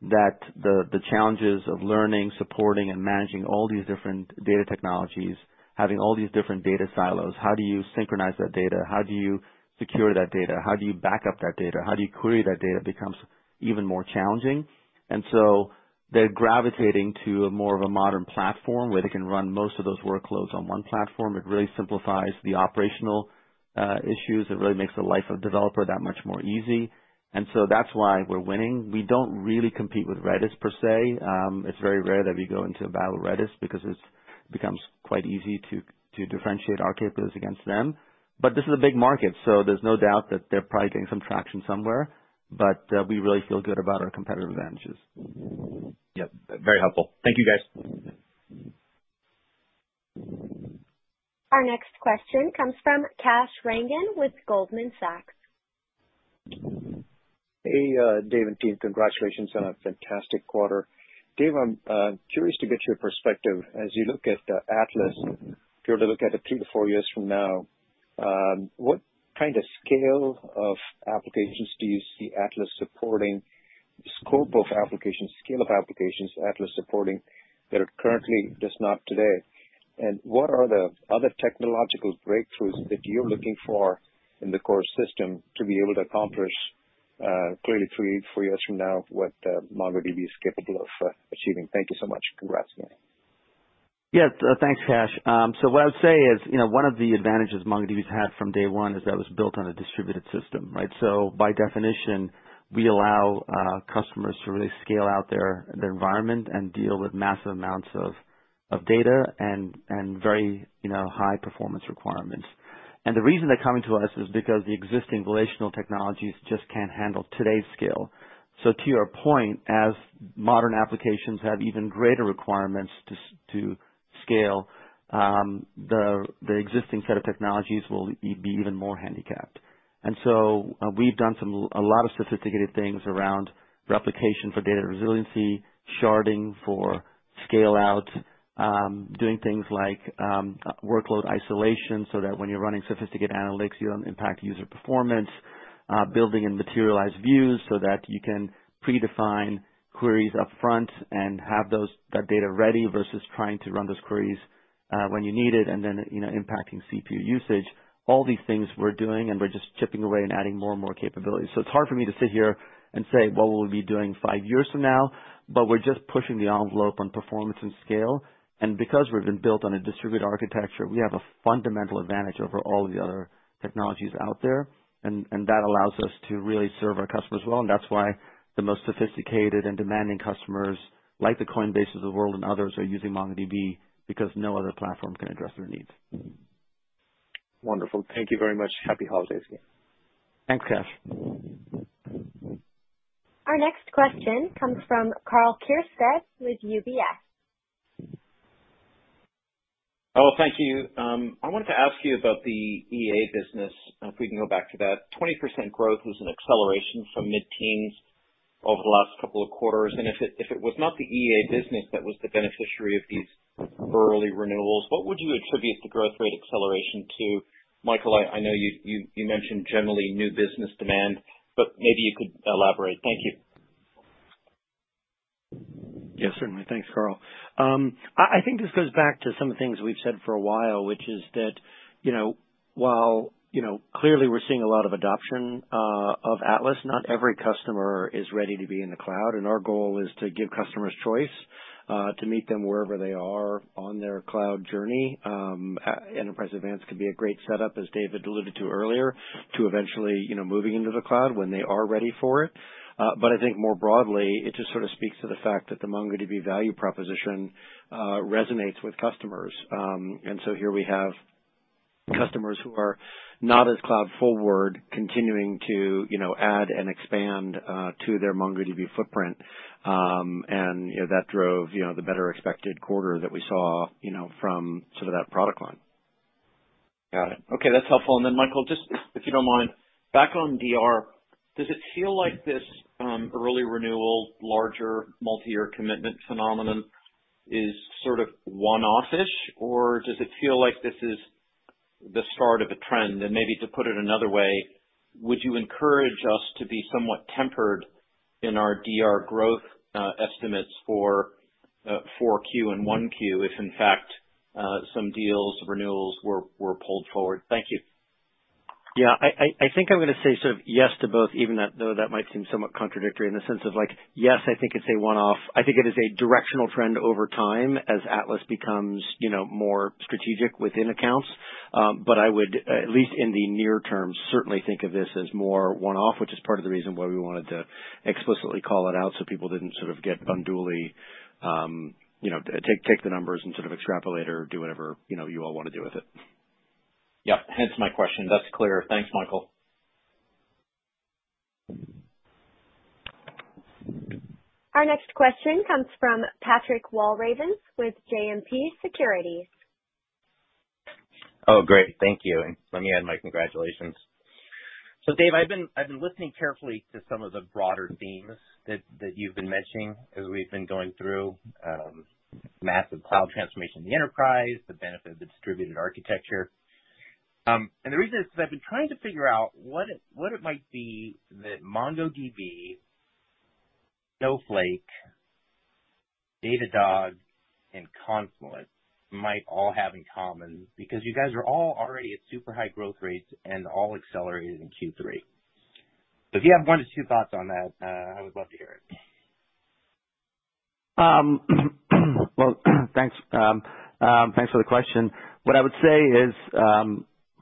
that the challenges of learning, supporting, and managing all these different data technologies, having all these different data silos, how do you synchronize that data? How do you secure that data? How do you back up that data? How do you query that data? It becomes even more challenging. They're gravitating to more of a modern platform where they can run most of those workloads on one platform. It really simplifies the operational issues. It really makes the life of developer that much more easy. That's why we're winning. We don't really compete with Redis per se. It's very rare that we go into a battle with Redis because it becomes quite easy to differentiate our capabilities against them. This is a big market, so there's no doubt that they're probably getting some traction somewhere. We really feel good about our competitive advantages. Yep. Very helpful. Thank you, guys. Our next question comes from Kash Rangan with Goldman Sachs. Hey, Dev and team. Congratulations on a fantastic quarter. Dev, I'm curious to get your perspective. As you look at the Atlas, if you were to look at it three-fouryears from now, what kind of scale of applications do you see Atlas supporting, scope of applications, scale of applications Atlas supporting that it currently does not today? What are the other technological breakthroughs that you're looking for in the core system to be able to accomplish, clearly three-four years from now, what MongoDB is capable of achieving? Thank you so much. Congrats again. Yes, thanks, Kash. What I would say is, you know, one of the advantages MongoDB's had from day one is that was built on a distributed system, right? By definition, we allow customers to really scale out their environment and deal with massive amounts of data and very, you know, high performance requirements. The reason they're coming to us is because the existing relational technologies just can't handle today's scale. To your point, as modern applications have even greater requirements to scale, the existing set of technologies will be even more handicapped. We've done a lot of sophisticated things around replication for data resiliency, sharding for scale out, doing things like workload isolation so that when you're running sophisticated analytics, you don't impact user performance, building in materialized views so that you can predefine queries upfront and have that data ready versus trying to run those queries when you need it and then, you know, impacting CPU usage. All these things we're doing, and we're just chipping away and adding more and more capabilities. It's hard for me to sit here and say what we'll be doing five years from now, but we're just pushing the envelope on performance and scale. Because we've been built on a distributed architecture, we have a fundamental advantage over all the other technologies out there, and that allows us to really serve our customers well. That's why the most sophisticated and demanding customers, like the Coinbases of the world and others, are using MongoDB because no other platform can address their needs. Wonderful. Thank you very much. Happy holidays. Thanks, Kash. Our next question comes from Karl Keirstead with UBS. Thank you. I wanted to ask you about the EA business, if we can go back to that. 20% growth was an acceleration from mid-teens over the last couple of quarters. If it was not the EA business that was the beneficiary of these early renewals, what would you attribute the growth rate acceleration to? Michael, I know you mentioned generally new business demand, but maybe you could elaborate. Thank you. Yes, certainly. Thanks, Karl. I think this goes back to some things we've said for a while, which is that, you know, while, you know, clearly we're seeing a lot of adoption of Atlas, not every customer is ready to be in the cloud, and our goal is to give customers choice to meet them wherever they are on their cloud journey. Enterprise Advanced could be a great setup, as Dev alluded to earlier, to eventually moving into the cloud when they are ready for it. But I think more broadly, it just sort of speaks to the fact that the MongoDB value proposition resonates with customers. Here we have customers who are not as cloud forward continuing to, you know, add and expand to their MongoDB footprint. you know, that drove, you know, the better expected quarter that we saw, you know, from sort of that product line. Got it. Okay, that's helpful. Michael, just if you don't mind, back on DR, does it feel like this early renewal, larger multi-year commitment phenomenon is sort of one-off-ish, or does it feel like this is the start of a trend? Maybe to put it another way, would you encourage us to be somewhat tempered in our DR growth estimates for 4Q and 1Q if, in fact, some deals renewals were pulled forward? Thank you. Yeah. I think I'm gonna say sort of yes to both, even that, though that might seem somewhat contradictory in the sense of like, yes, I think it's a one-off. I think it is a directional trend over time as Atlas becomes, you know, more strategic within accounts. But I would, at least in the near term, certainly think of this as more one-off, which is part of the reason why we wanted to explicitly call it out so people didn't sort of get unduly, you know, take the numbers and sort of extrapolate or do whatever, you know, you all wanna do with it. Yeah. Hence my question. That's clear. Thanks, Michael. Our next question comes from Patrick Walravens with JMP Securities. Oh, great. Thank you. Let me add my congratulations. Dev, I've been listening carefully to some of the broader themes that you've been mentioning as we've been going through massive cloud transformation in the enterprise, the benefit of the distributed architecture. The reason is because I've been trying to figure out what it might be that MongoDB, Snowflake, Datadog, and Confluent might all have in common, because you guys are all already at super high growth rates and all accelerated in Q3. If you have one to two thoughts on that, I would love to hear it. Well, thanks for the question. What I would say is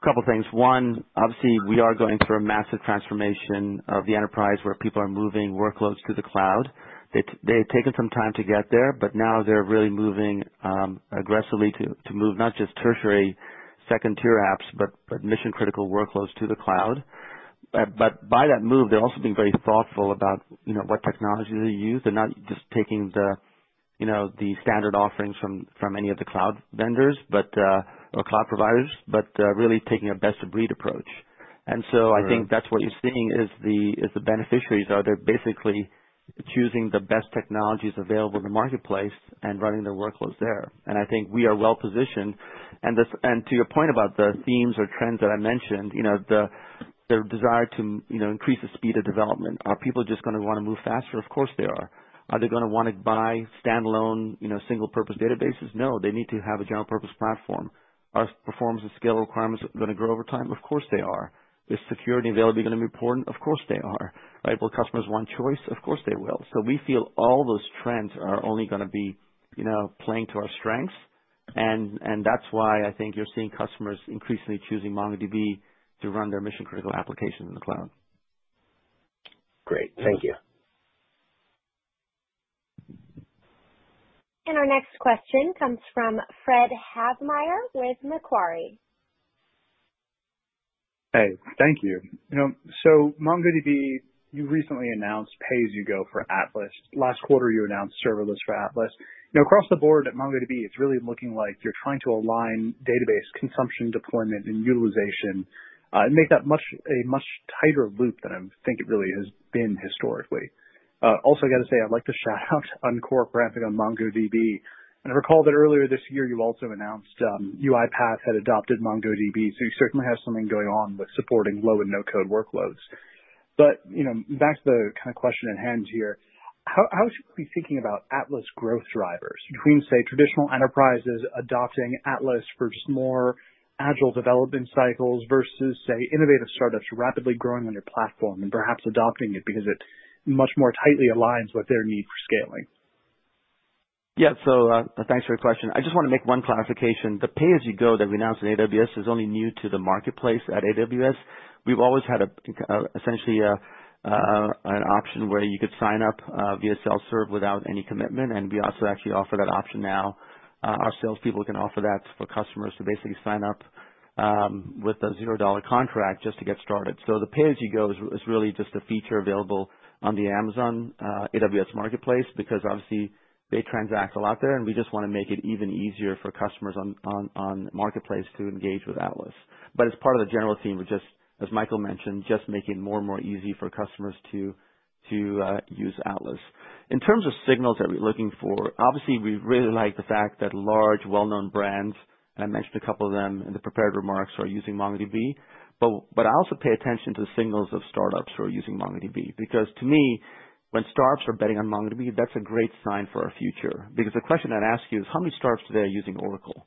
a couple things. One, obviously, we are going through a massive transformation of the enterprise where people are moving workloads to the cloud. They had taken some time to get there, but now they're really moving aggressively to move not just tertiary second-tier apps, but mission-critical workloads to the cloud. By that move, they're also being very thoughtful about, you know, what technology they use. They're not just taking the, you know, the standard offerings from any of the cloud vendors or cloud providers, but really taking a best-of-breed approach. I think that's what you're seeing is the beneficiaries are basically choosing the best technologies available in the marketplace and running their workloads there. I think we are well positioned. To your point about the themes or trends that I mentioned, you know, the, their desire to, you know, increase the speed of development. Are people just gonna wanna move faster? Of course, they are. Are they gonna wanna buy standalone, you know, single purpose databases? No. They need to have a general purpose platform. Are performance and scale requirements gonna grow over time? Of course, they are. Is security availability gonna be important? Of course, they are, right? Will customers want choice? Of course, they will. We feel all those trends are only gonna be, you know, playing to our strengths. That's why I think you're seeing customers increasingly choosing MongoDB to run their mission-critical applications in the cloud. Great. Thank you. Our next question comes from Fred Havemeyer with Macquarie. Hey, thank you. You know, MongoDB, you recently announced pay-as-you-go for Atlas. Last quarter, you announced serverless for Atlas. You know, across the board at MongoDB, it's really looking like you're trying to align database consumption, deployment, and utilization, and make that a much tighter loop than I think it really has been historically. Also I gotta say, I'd like to shout out Unqork on MongoDB. I recall that earlier this year, you also announced, UiPath had adopted MongoDB, so you certainly have something going on with supporting low and no-code workloads. You know, back to the kinda question at hand here. How should we be thinking about Atlas growth drivers between, say, traditional enterprises adopting Atlas for just more agile development cycles versus, say, innovative startups rapidly growing on your platform and perhaps adopting it because it much more tightly aligns with their need for scaling? Yeah, thanks for your question. I just wanna make one clarification. The pay-as-you-go that we announced in AWS is only new to the AWS Marketplace. We've always had essentially an option where you could sign up via self-serve without any commitment, and we also actually offer that option now. Our salespeople can offer that for customers to basically sign up with a $0 contract just to get started. The pay-as-you-go is really just a feature available on the Amazon AWS Marketplace because obviously they transact a lot there, and we just wanna make it even easier for customers on marketplace to engage with Atlas. As part of the general theme, we just, as Michael mentioned, just making it more and more easy for customers to use Atlas. In terms of signals that we're looking for, obviously, we really like the fact that large, well-known brands, and I mentioned a couple of them in the prepared remarks, are using MongoDB. I also pay attention to the signals of startups who are using MongoDB because to me, when startups are betting on MongoDB, that's a great sign for our future. The question I'd ask you is how many startups today are using Oracle?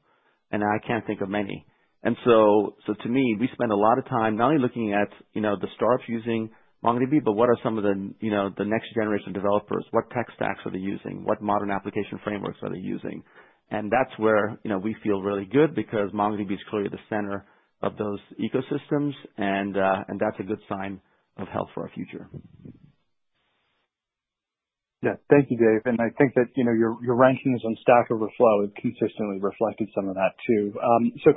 I can't think of many. To me, we spend a lot of time not only looking at, you know, the startups using MongoDB, but what are some of the, you know, the next generation developers? What tech stacks are they using? What modern application frameworks are they using? That's where, you know, we feel really good because MongoDB is clearly the center of those ecosystems and that's a good sign of health for our future. Yeah. Thank you, Dev. I think that, you know, your rankings on Stack Overflow have consistently reflected some of that too.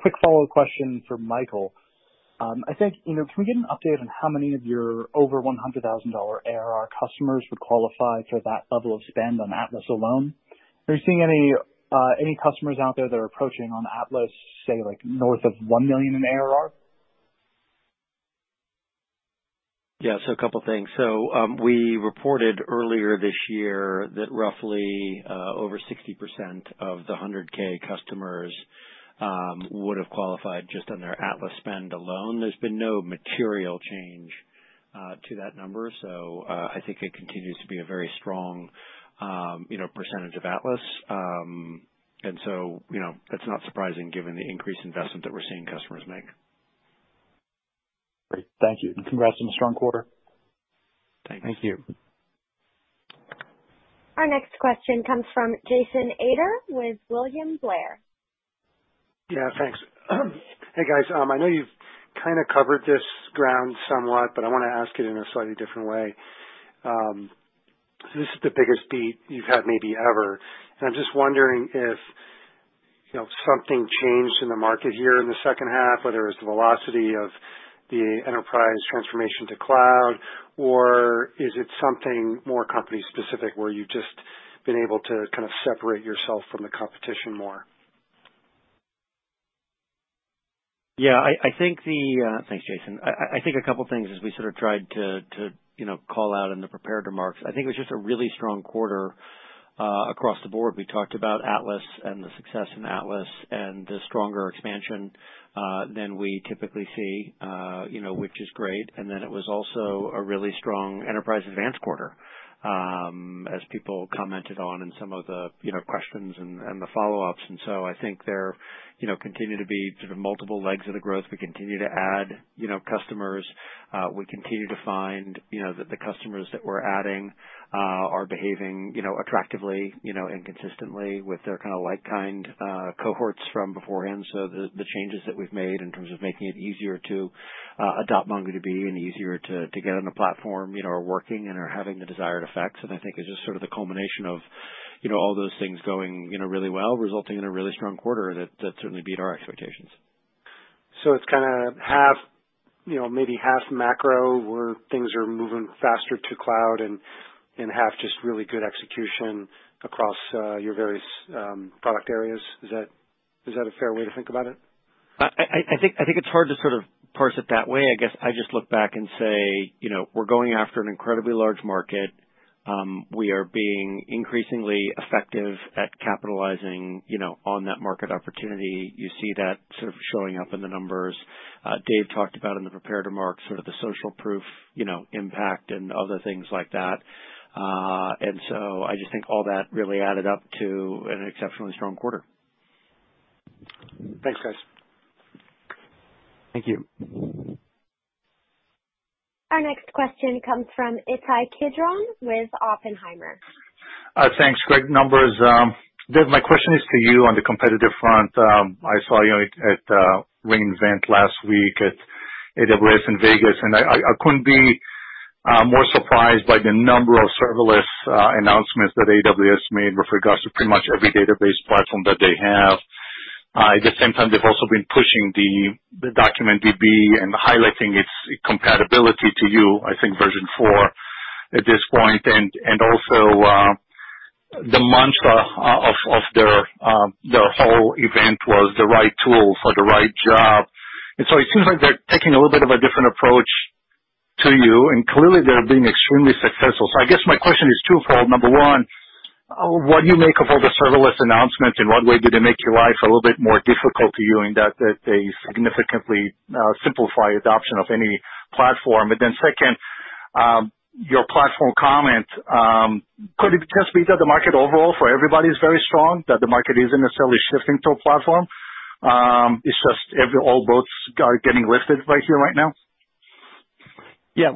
Quick follow-up question for Michael. I think, you know, can we get an update on how many of your over $100,000 ARR customers would qualify for that level of spend on Atlas alone? Are you seeing any customers out there that are approaching on Atlas, say, like, north of $1 million in ARR? Yeah. A couple things. We reported earlier this year that roughly over 60% of the 100K customers would've qualified just on their Atlas spend alone. There's been no material change to that number. I think it continues to be a very strong, you know, percentage of Atlas. You know, it's not surprising given the increased investment that we're seeing customers make. Great. Thank you, and congrats on a strong quarter. Thanks. Thank you. Our next question comes from Jason Ader with William Blair. Yeah, thanks. Hey, guys. I know you've kinda covered this ground somewhat, but I wanna ask it in a slightly different way. This is the biggest beat you've had maybe ever, and I'm just wondering if, you know, something changed in the market here in the second half, whether it's the velocity of the enterprise transformation to cloud, or is it something more company specific where you've just been able to kind of separate yourself from the competition more? I think the... Thanks, Jason. I think a couple things as we sort of tried to you know call out in the prepared remarks. I think it was just a really strong quarter across the board. We talked about Atlas and the success in Atlas and the stronger expansion than we typically see you know which is great. Then it was also a really strong Enterprise Advanced quarter as people commented on in some of the you know questions and the follow-ups. I think there you know continue to be sort of multiple legs of the growth. We continue to add you know customers. We continue to find you know that the customers that we're adding are behaving you know attractively you know and consistently with their kind cohorts from beforehand. The changes that we've made in terms of making it easier to adopt MongoDB and easier to get on the platform, you know, are working and are having the desired effects. I think it's just sort of the culmination of, you know, all those things going, you know, really well, resulting in a really strong quarter that certainly beat our expectations. It's kinda half, you know, maybe half macro, where things are moving faster to cloud and half just really good execution across your various product areas. Is that a fair way to think about it? I think it's hard to sort of parse it that way. I guess I just look back and say, you know, we're going after an incredibly large market. We are being increasingly effective at capitalizing, you know, on that market opportunity. You see that sort of showing up in the numbers. Dev talked about in the prepared remarks, sort of the social proof, you know, impact and other things like that. I just think all that really added up to an exceptionally strong quarter. Thanks, guys. Thank you. Our next question comes from Ittai Kidron with Oppenheimer. Thanks. Great numbers. Dev, my question is to you on the competitive front. I saw you at re:Invent last week at AWS in Vegas, and I couldn't be more surprised by the number of serverless announcements that AWS made with regards to pretty much every database platform that they have. At the same time, they've also been pushing the DocumentDB and highlighting its compatibility to you, I think version four at this point. The mantra of their whole event was the right tool for the right job. It seems like they're taking a little bit of a different approach to you, and clearly they're being extremely successful. I guess my question is twofold. Number one, what do you make of all the serverless announcements, and what way do they make your life a little bit more difficult to you in that they significantly simplify adoption of any platform? Then second, your platform comment, could it just be that the market overall for everybody is very strong, that the market isn't necessarily shifting to a platform? It's just all boats are getting lifted right here, right now. Ittai,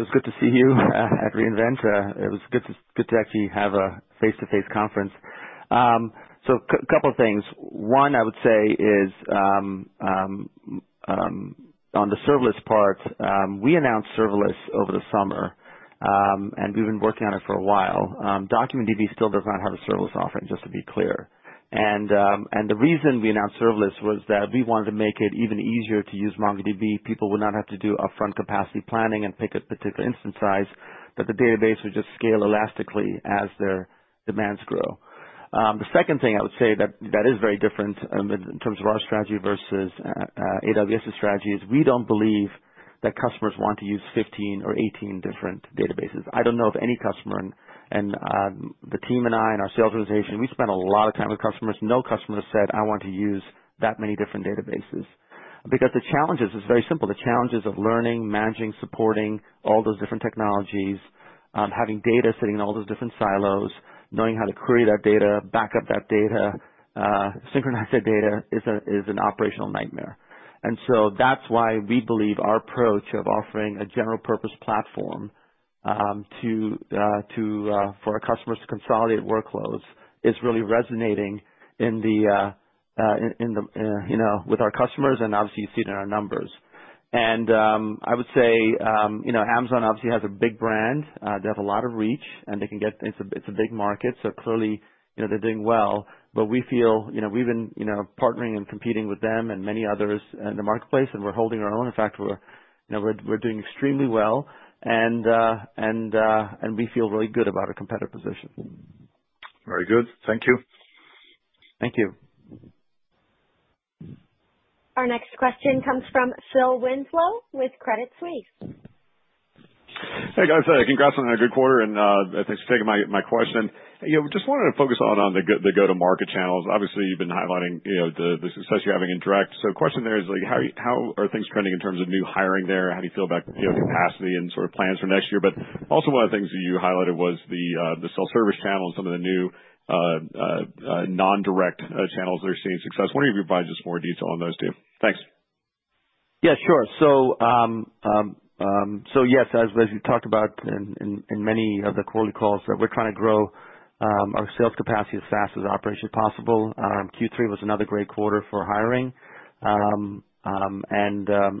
it's good to see you at re:Invent. It was good to actually have a face-to-face conference. Couple of things. One I would say is on the serverless part. We announced serverless over the summer, and we've been working on it for a while. DocumentDB still does not have a serverless offering, just to be clear. The reason we announced serverless was that we wanted to make it even easier to use MongoDB. People would not have to do upfront capacity planning and pick a particular instance size, that the database would just scale elastically as their demands grow. The second thing I would say that is very different in terms of our strategy versus AWS's strategy is we don't believe that customers want to use 15 or 18 different databases. I don't know of any customer, and the team and I and our sales organization, we spend a lot of time with customers. No customer has said, "I want to use that many different databases." Because the challenge is, it's very simple. The challenges of learning, managing, supporting all those different technologies, having data sitting in all those different silos, knowing how to query that data, back up that data, synchronize that data is an operational nightmare. That's why we believe our approach of offering a general purpose platform for our customers to consolidate workloads is really resonating you know with our customers, and obviously you see it in our numbers. I would say you know, Amazon obviously has a big brand. They have a lot of reach, and they can get. It's a big market, so clearly, you know, they're doing well. But we feel, you know, we've been you know partnering and competing with them and many others in the marketplace, and we're holding our own. In fact, we're you know doing extremely well and we feel really good about our competitive position. Very good. Thank you. Thank you. Our next question comes from Phil Winslow with Credit Suisse. Hey, guys. Congrats on a good quarter and thanks for taking my question. Just wanted to focus on the go-to-market channels. Obviously, you've been highlighting the success you're having in direct. Question there is how are things trending in terms of new hiring there? How do you feel about capacity and sort of plans for next year? Also one of the things that you highlighted was the self-service channel and some of the new non-direct channels that are seeing success. Wondering if you provide just more detail on those two. Thanks. Yeah, sure. Yes, as we talked about in many of the quarterly calls, that we're trying to grow our sales capacity as fast as operationally possible. Q3 was another great quarter for hiring.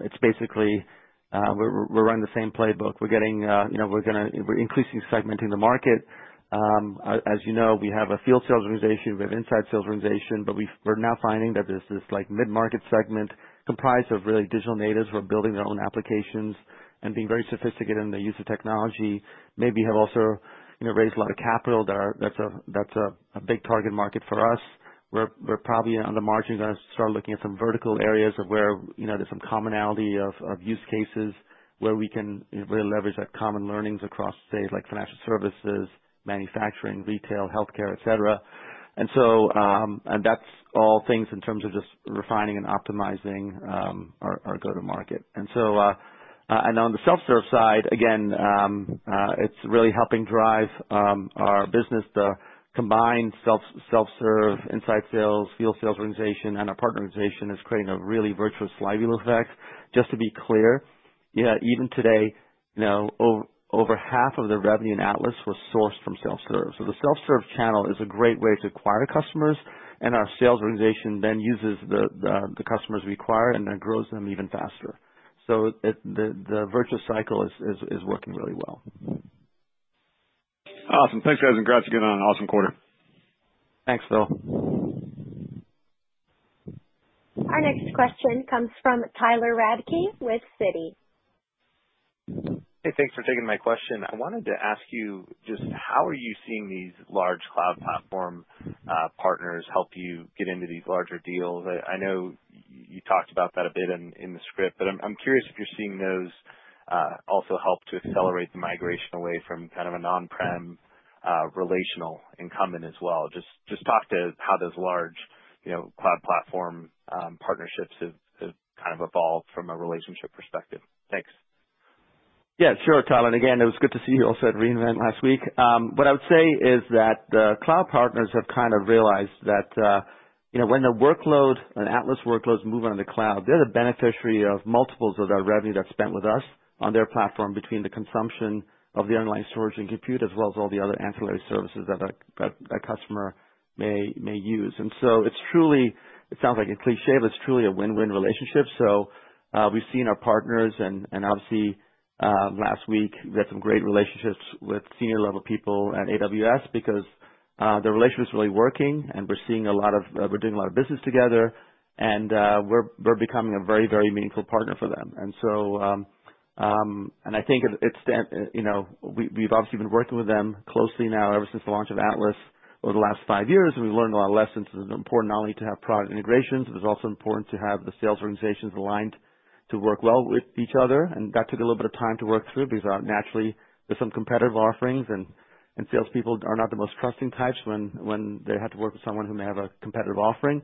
It's basically, we're running the same playbook. We're getting, you know, we're increasingly segmenting the market. As you know, we have a field sales organization, we have inside sales organization, but we're now finding that there's this like mid-market segment comprised of really digital natives who are building their own applications and being very sophisticated in their use of technology, maybe have also, you know, raised a lot of capital. That's a big target market for us. We're probably on the margins gonna start looking at some vertical areas where you know there's some commonality of use cases where we can really leverage that common learnings across say like financial services manufacturing retail healthcare et cetera. That's all things in terms of just refining and optimizing our go-to-market. On the self-serve side again it's really helping drive our business. The combined self-serve inside sales field sales organization and our partner organization is creating a really virtuous flywheel effect. Just to be clear yeah even today you know over half of the revenue in Atlas was sourced from self-serve. The self-serve channel is a great way to acquire customers and our sales organization then uses the customers we acquire and then grows them even faster. The virtuous cycle is working really well. Awesome. Thanks guys, and congrats again on an awesome quarter. Thanks, Phil. Our next question comes from Tyler Radke with Citi. Hey, thanks for taking my question. I wanted to ask you just how are you seeing these large cloud platform partners help you get into these larger deals? I know you talked about that a bit in the script, but I'm curious if you're seeing those also help to accelerate the migration away from kind of a on-prem relational incumbent as well. Just talk to how those large, you know, cloud platform partnerships have kind of evolved from a relationship perspective. Thanks. Yeah, sure, Tyler. Again, it was good to see you also at re:Invent last week. What I would say is that the cloud partners have kind of realized that, you know, when the workload and Atlas workloads move on the cloud, they're the beneficiary of multiples of that revenue that's spent with us on their platform between the consumption of the online storage and compute, as well as all the other ancillary services that customer may use. It's truly it sounds like a cliché, but it's truly a win-win relationship. We've seen our partners and obviously last week we had some great relationships with senior level people at AWS because the relationship is really working and we're seeing a lot of, we're doing a lot of business together and we're becoming a very meaningful partner for them. I think it's that, you know, we've obviously been working with them closely now ever since the launch of Atlas over the last five years, and we've learned a lot of lessons. It's important not only to have product integrations, but it's also important to have the sales organizations aligned to work well with each other. That took a little bit of time to work through because naturally there's some competitive offerings and salespeople are not the most trusting types when they have to work with someone who may have a competitive offering.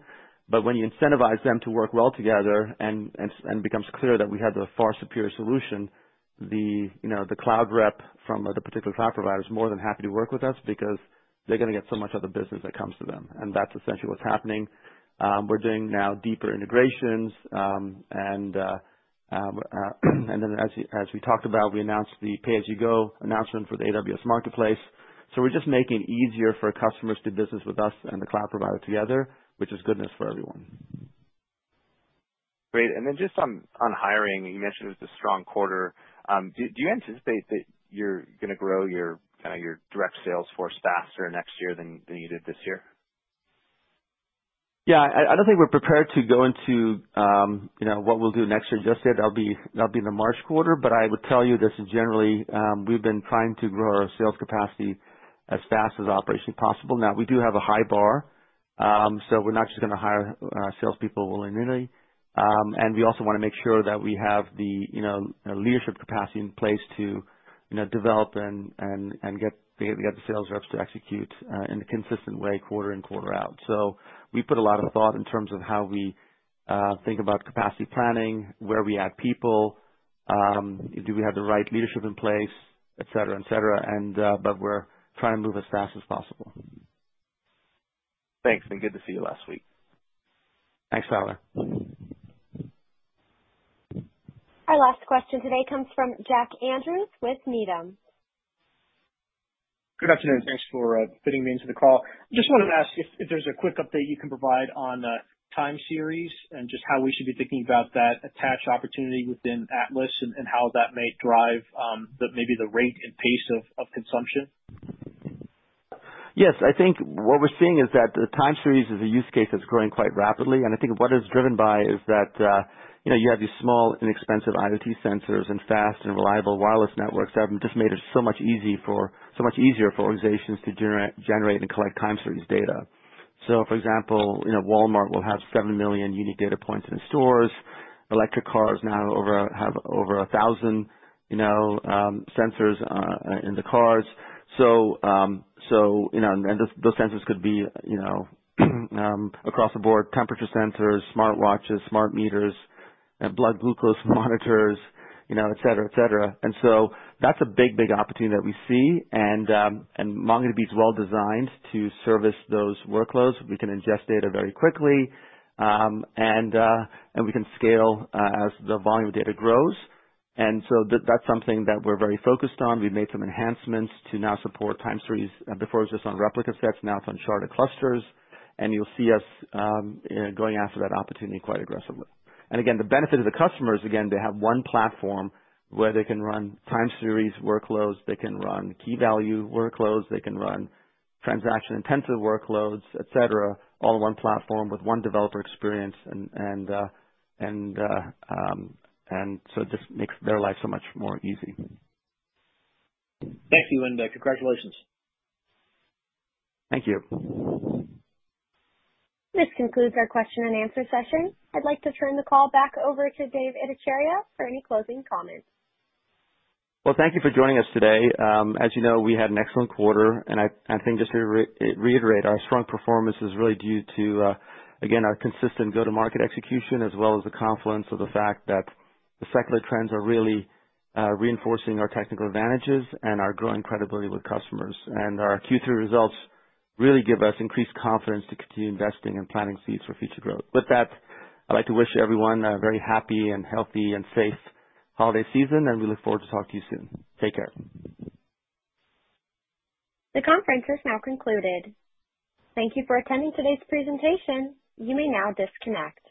When you incentivize them to work well together and it becomes clear that we have the far superior solution, you know, the cloud rep from the particular cloud provider is more than happy to work with us because they're gonna get so much of the business that comes to them. That's essentially what's happening. We're doing now deeper integrations and then as we talked about, we announced the pay-as-you-go announcement for the AWS Marketplace. We're just making it easier for customers to do business with us and the cloud provider together, which is goodness for everyone. Great. Just on hiring, you mentioned it was a strong quarter. Do you anticipate that you're gonna grow your kinda direct sales force faster next year than you did this year? Yeah, I don't think we're prepared to go into, you know, what we'll do next year just yet. That'll be in the March quarter. I would tell you this is generally, we've been trying to grow our sales capacity as fast as operationally possible. Now, we do have a high bar, so we're not just gonna hire salespeople willy-nilly. We also wanna make sure that we have the, you know, leadership capacity in place to, you know, develop and get the sales reps to execute in a consistent way quarter in, quarter out. We put a lot of thought in terms of how we think about capacity planning, where we add people, do we have the right leadership in place, et cetera. We're trying to move as fast as possible. Thanks, and good to see you last week. Thanks, Tyler. Our last question today comes from Jack Andrews with Needham. Good afternoon. Thanks for fitting me into the call. Just wanted to ask if there's a quick update you can provide on time series and just how we should be thinking about that attach opportunity within Atlas and how that may drive maybe the rate and pace of consumption? Yes. I think what we're seeing is that the time series is a use case that's growing quite rapidly. I think what it's driven by is that, you know, you have these small, inexpensive IoT sensors and fast and reliable wireless networks that have just made it so much easier for organizations to generate and collect time series data. For example, you know, Walmart will have 7 million unique data points in its stores. Electric cars now have over 1,000 sensors in the cars. Those sensors could be across the board, temperature sensors, smart watches, smart meters, blood glucose monitors, you know, et cetera, et cetera. That's a big opportunity that we see. MongoDB is well-designed to service those workloads. We can ingest data very quickly. We can scale as the volume of data grows. That's something that we're very focused on. We've made some enhancements to now support time series. Before it was just on replica sets, now it's on sharded clusters. You'll see us going after that opportunity quite aggressively. Again, the benefit of the customers, again, they have one platform where they can run time series workloads, they can run key value workloads, they can run transaction-intensive workloads, et cetera, all in one platform with one developer experience. It just makes their life so much more easy. Thank you, and congratulations. Thank you. This concludes our question-and-answer session. I'd like to turn the call back over to Dev Ittycheria for any closing comments. Well, thank you for joining us today. As you know, we had an excellent quarter. I think just to reiterate, our strong performance is really due to, again, our consistent go-to-market execution, as well as the confluence of the fact that the secular trends are really reinforcing our technical advantages and our growing credibility with customers. Our Q3 results really give us increased confidence to continue investing and planting seeds for future growth. With that, I'd like to wish everyone a very happy and healthy and safe holiday season, and we look forward to talking to you soon. Take care. The conference is now concluded. Thank you for attending today's presentation. You may now disconnect.